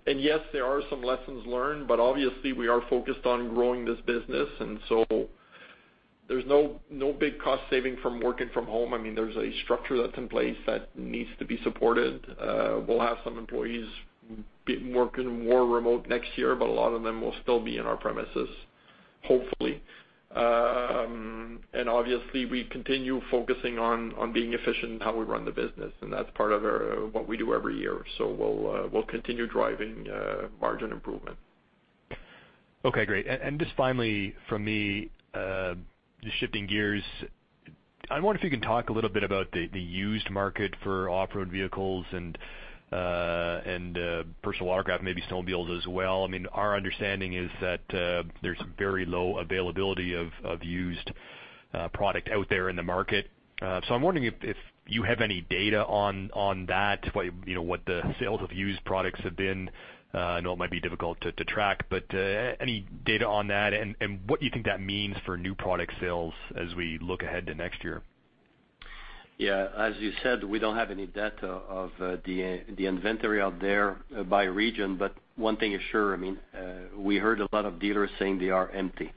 Yes, there are some lessons learned, but obviously, we are focused on growing this business, and so there's no big cost saving from working from home. There's a structure that's in place that needs to be supported. We'll have some employees working more remote next year, but a lot of them will still be in our premises, hopefully. Obviously, we continue focusing on being efficient in how we run the business, and that's part of what we do every year. We'll continue driving margin improvement. Okay, great. Just finally from me, just shifting gears. I wonder if you can talk a little bit about the used market for off-road vehicles and personal watercraft, maybe snowmobiles as well. Our understanding is that there's very low availability of used product out there in the market. I'm wondering if you have any data on that, what the sales of used products have been. I know it might be difficult to track, but any data on that, and what you think that means for new product sales as we look ahead to next year? Yeah. As you said, we don't have any data of the inventory out there by region, but one thing is sure, we heard a lot of dealers saying they are empty.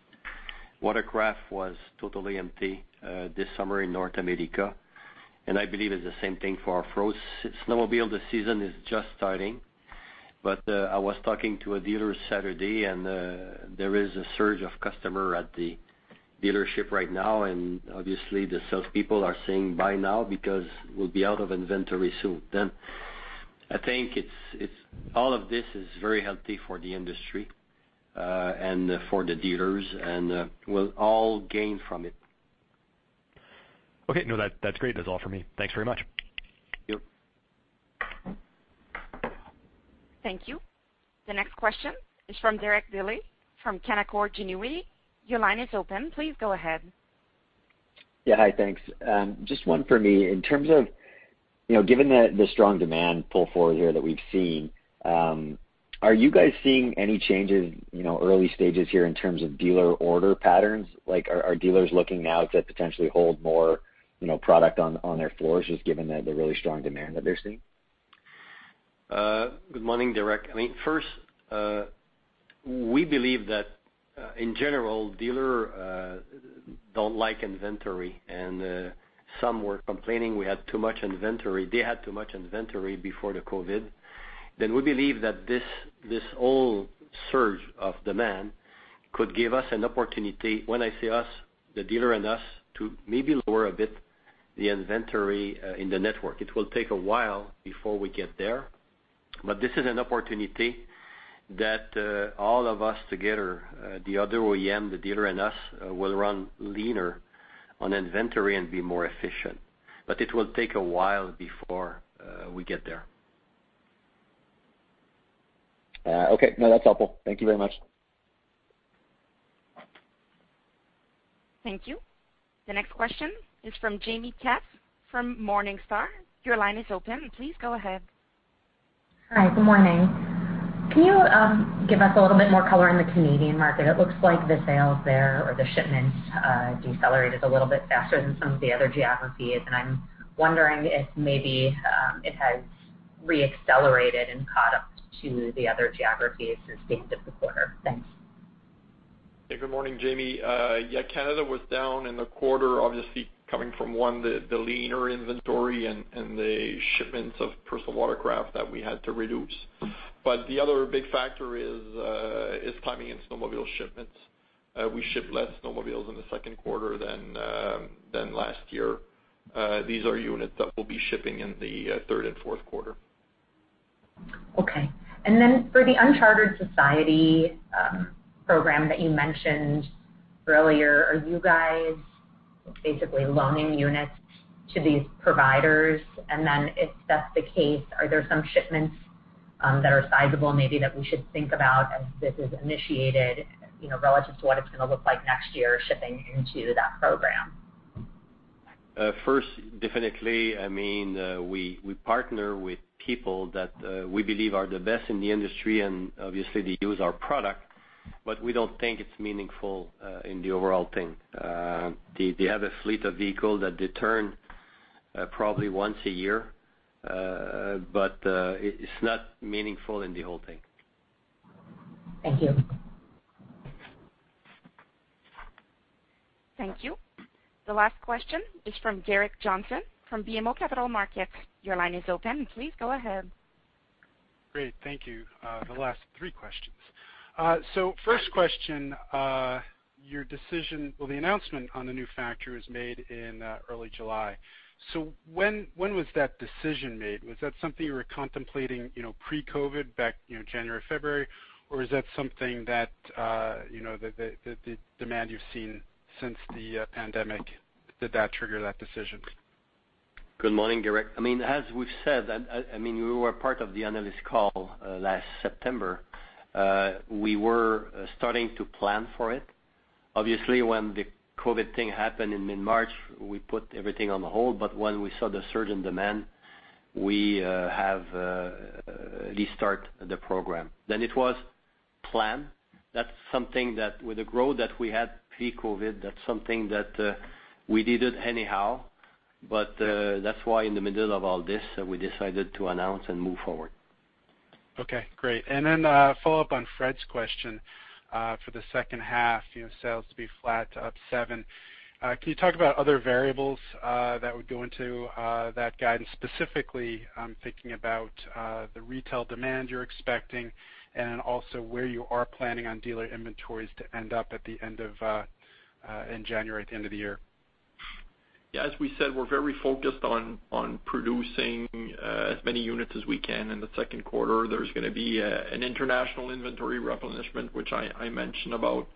Watercraft was totally empty this summer in North America. I believe it's the same thing for our snowmobile. The season is just starting. I was talking to a dealer Saturday, and there is a surge of customer at the dealership right now, and obviously, the salespeople are saying, "Buy now because we'll be out of inventory soon." I think all of this is very healthy for the industry, and for the dealers, and we'll all gain from it. Okay. No, that's great. That's all for me. Thanks very much. Yep. Thank you. The next question is from Derek Dley from Canaccord Genuity. Your line is open. Please go ahead. Yeah. Hi, thanks. Just one for me. In terms of, given the strong demand pull forward here that we've seen, are you guys seeing any changes early stages here in terms of dealer order patterns? Are dealers looking now to potentially hold more product on their floors, just given the really strong demand that they're seeing? Good morning, Derek. We believe that in general, dealers don't like inventory, and some were complaining we had too much inventory. They had too much inventory before the COVID. We believe that this whole surge of demand could give us an opportunity, when I say us, the dealer and us, to maybe lower a bit the inventory in the network. It will take a while before we get there, this is an opportunity that all of us together, the other OEM, the dealer, and us, will run leaner on inventory and be more efficient. It will take a while before we get there. Okay. No, that's helpful. Thank you very much. Thank you. The next question is from Jaime Katz from Morningstar. Your line is open. Please go ahead. Hi, good morning. Can you give us a little bit more color on the Canadian market? It looks like the sales there or the shipments decelerated a little bit faster than some of the other geographies, and I'm wondering if maybe it has re-accelerated and caught up to the other geographies since the end of the quarter. Thanks. Hey, good morning, Jaime. Yeah, Canada was down in the quarter, obviously coming from, one, the leaner inventory and the shipments of personal watercraft that we had to reduce. The other big factor is climbing and snowmobile shipments. We shipped less snowmobiles in the second quarter than last year. These are units that we'll be shipping in the third and fourth quarter. Okay. For The Uncharted Society program that you mentioned earlier, are you guys basically loaning units to these providers? If that's the case, are there some shipments that are sizable maybe that we should think about as this is initiated, relative to what it's going to look like next year shipping into that program? First, definitely, we partner with people that we believe are the best in the industry, obviously they use our product. We don't think it's meaningful in the overall thing. They have a fleet of vehicles that they turn probably once a year, but it's not meaningful in the whole thing. Thank you. Thank you. The last question is from Gerrick Johnson from BMO Capital Markets. Your line is open. Please go ahead. Great. Thank you. The last three questions. First question, the announcement on the new factory was made in early July. When was that decision made? Was that something you were contemplating pre-COVID back January, February, or is that something that the demand you've seen since the pandemic, did that trigger that decision? Good morning, Derek. As we've said, you were part of the analyst call last September. We were starting to plan for it. Obviously, when the COVID thing happened in mid-March, we put everything on hold, but when we saw the surge in demand, we have restart the program. It was planned. That's something that with the growth that we had pre-COVID, that's something that we needed anyhow, but that's why in the middle of all this, we decided to announce and move forward. Okay. Great. Follow up on Fred's question. For the second half, sales to be flat to up 7%. Can you talk about other variables that would go into that guidance, specifically I'm thinking about the retail demand you're expecting and also where you are planning on dealer inventories to end up at the end of, in January, at the end of the year? Yeah, as we said, we're very focused on producing as many units as we can in the second quarter. There's going to be an international inventory replenishment, which I mentioned about.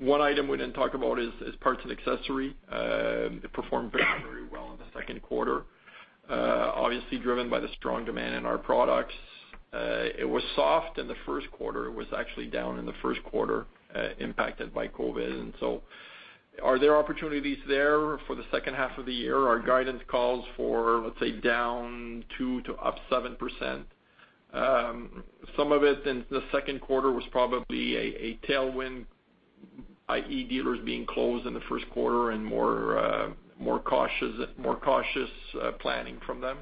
One item we didn't talk about is parts and accessory. It performed very, very well in the second quarter. Obviously driven by the strong demand in our products. It was soft in the first quarter. It was actually down in the first quarter, impacted by COVID. Are there opportunities there for the second half of the year? Our guidance calls for, let's say, -2% to +7%. Some of it in the second quarter was probably a tailwind, i.e., dealers being closed in the first quarter and more cautious planning from them.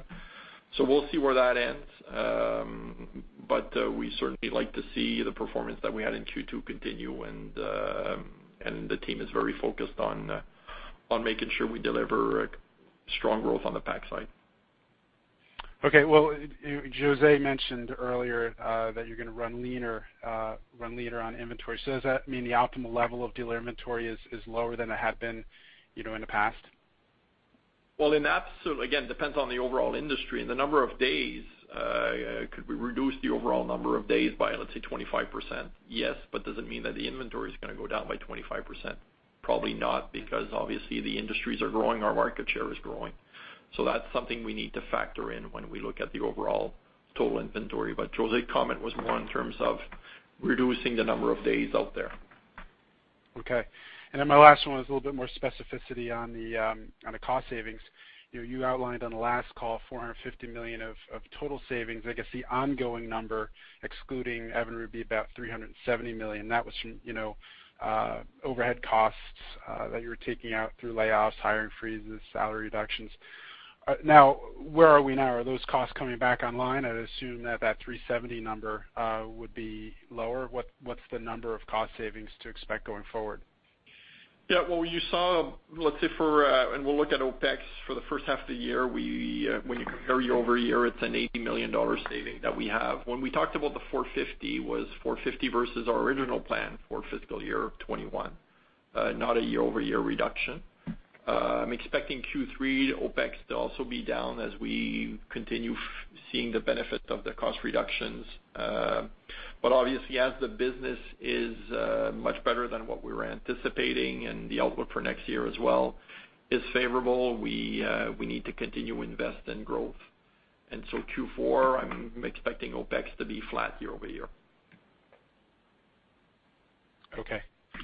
We'll see where that ends. We certainly like to see the performance that we had in Q2 continue, and the team is very focused on making sure we deliver strong growth on the pack side. Okay, well, José mentioned earlier that you're going to run leaner on inventory. Does that mean the optimal level of dealer inventory is lower than it had been in the past? Well, in absolute, again, depends on the overall industry and the number of days. Could we reduce the overall number of days by, let's say, 25%? Yes, does it mean that the inventory is going to go down by 25%? Probably not, because obviously the industries are growing, our market share is growing. That's something we need to factor in when we look at the overall total inventory. José's comment was more in terms of reducing the number of days out there. Okay. My last one was a little bit more specificity on the cost savings. You outlined on the last call, 450 million of total savings. I guess the ongoing number, excluding Evinrude, about 370 million. That was from overhead costs that you were taking out through layoffs, hiring freezes, salary reductions. Where are we now? Are those costs coming back online? I'd assume that that 370 number would be lower. What's the number of cost savings to expect going forward? Yeah. Well, you saw, let's say for, we'll look at OpEx for the first half of the year. When you compare year-over-year, it's a 80 million dollar saving that we have. When we talked about the 450, it was 450 versus our original plan for fiscal year 2021, not a year-over-year reduction. I'm expecting Q3 OpEx to also be down as we continue seeing the benefit of the cost reductions. Obviously as the business is much better than what we were anticipating and the outlook for next year as well is favorable, we need to continue to invest in growth. Q4, I'm expecting OpEx to be flat year-over-year. Okay.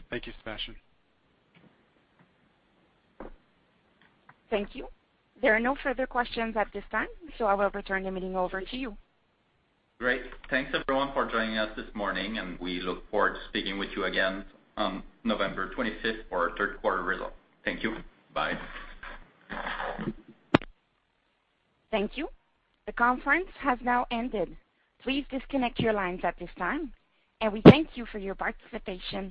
Thank you, Sébastien. Thank you. There are no further questions at this time, so I will return the meeting over to you. Great. Thanks, everyone, for joining us this morning, and we look forward to speaking with you again on November 25th for our third quarter results. Thank you. Bye. Thank you. The conference has now ended. Please disconnect your lines at this time, and we thank you for your participation.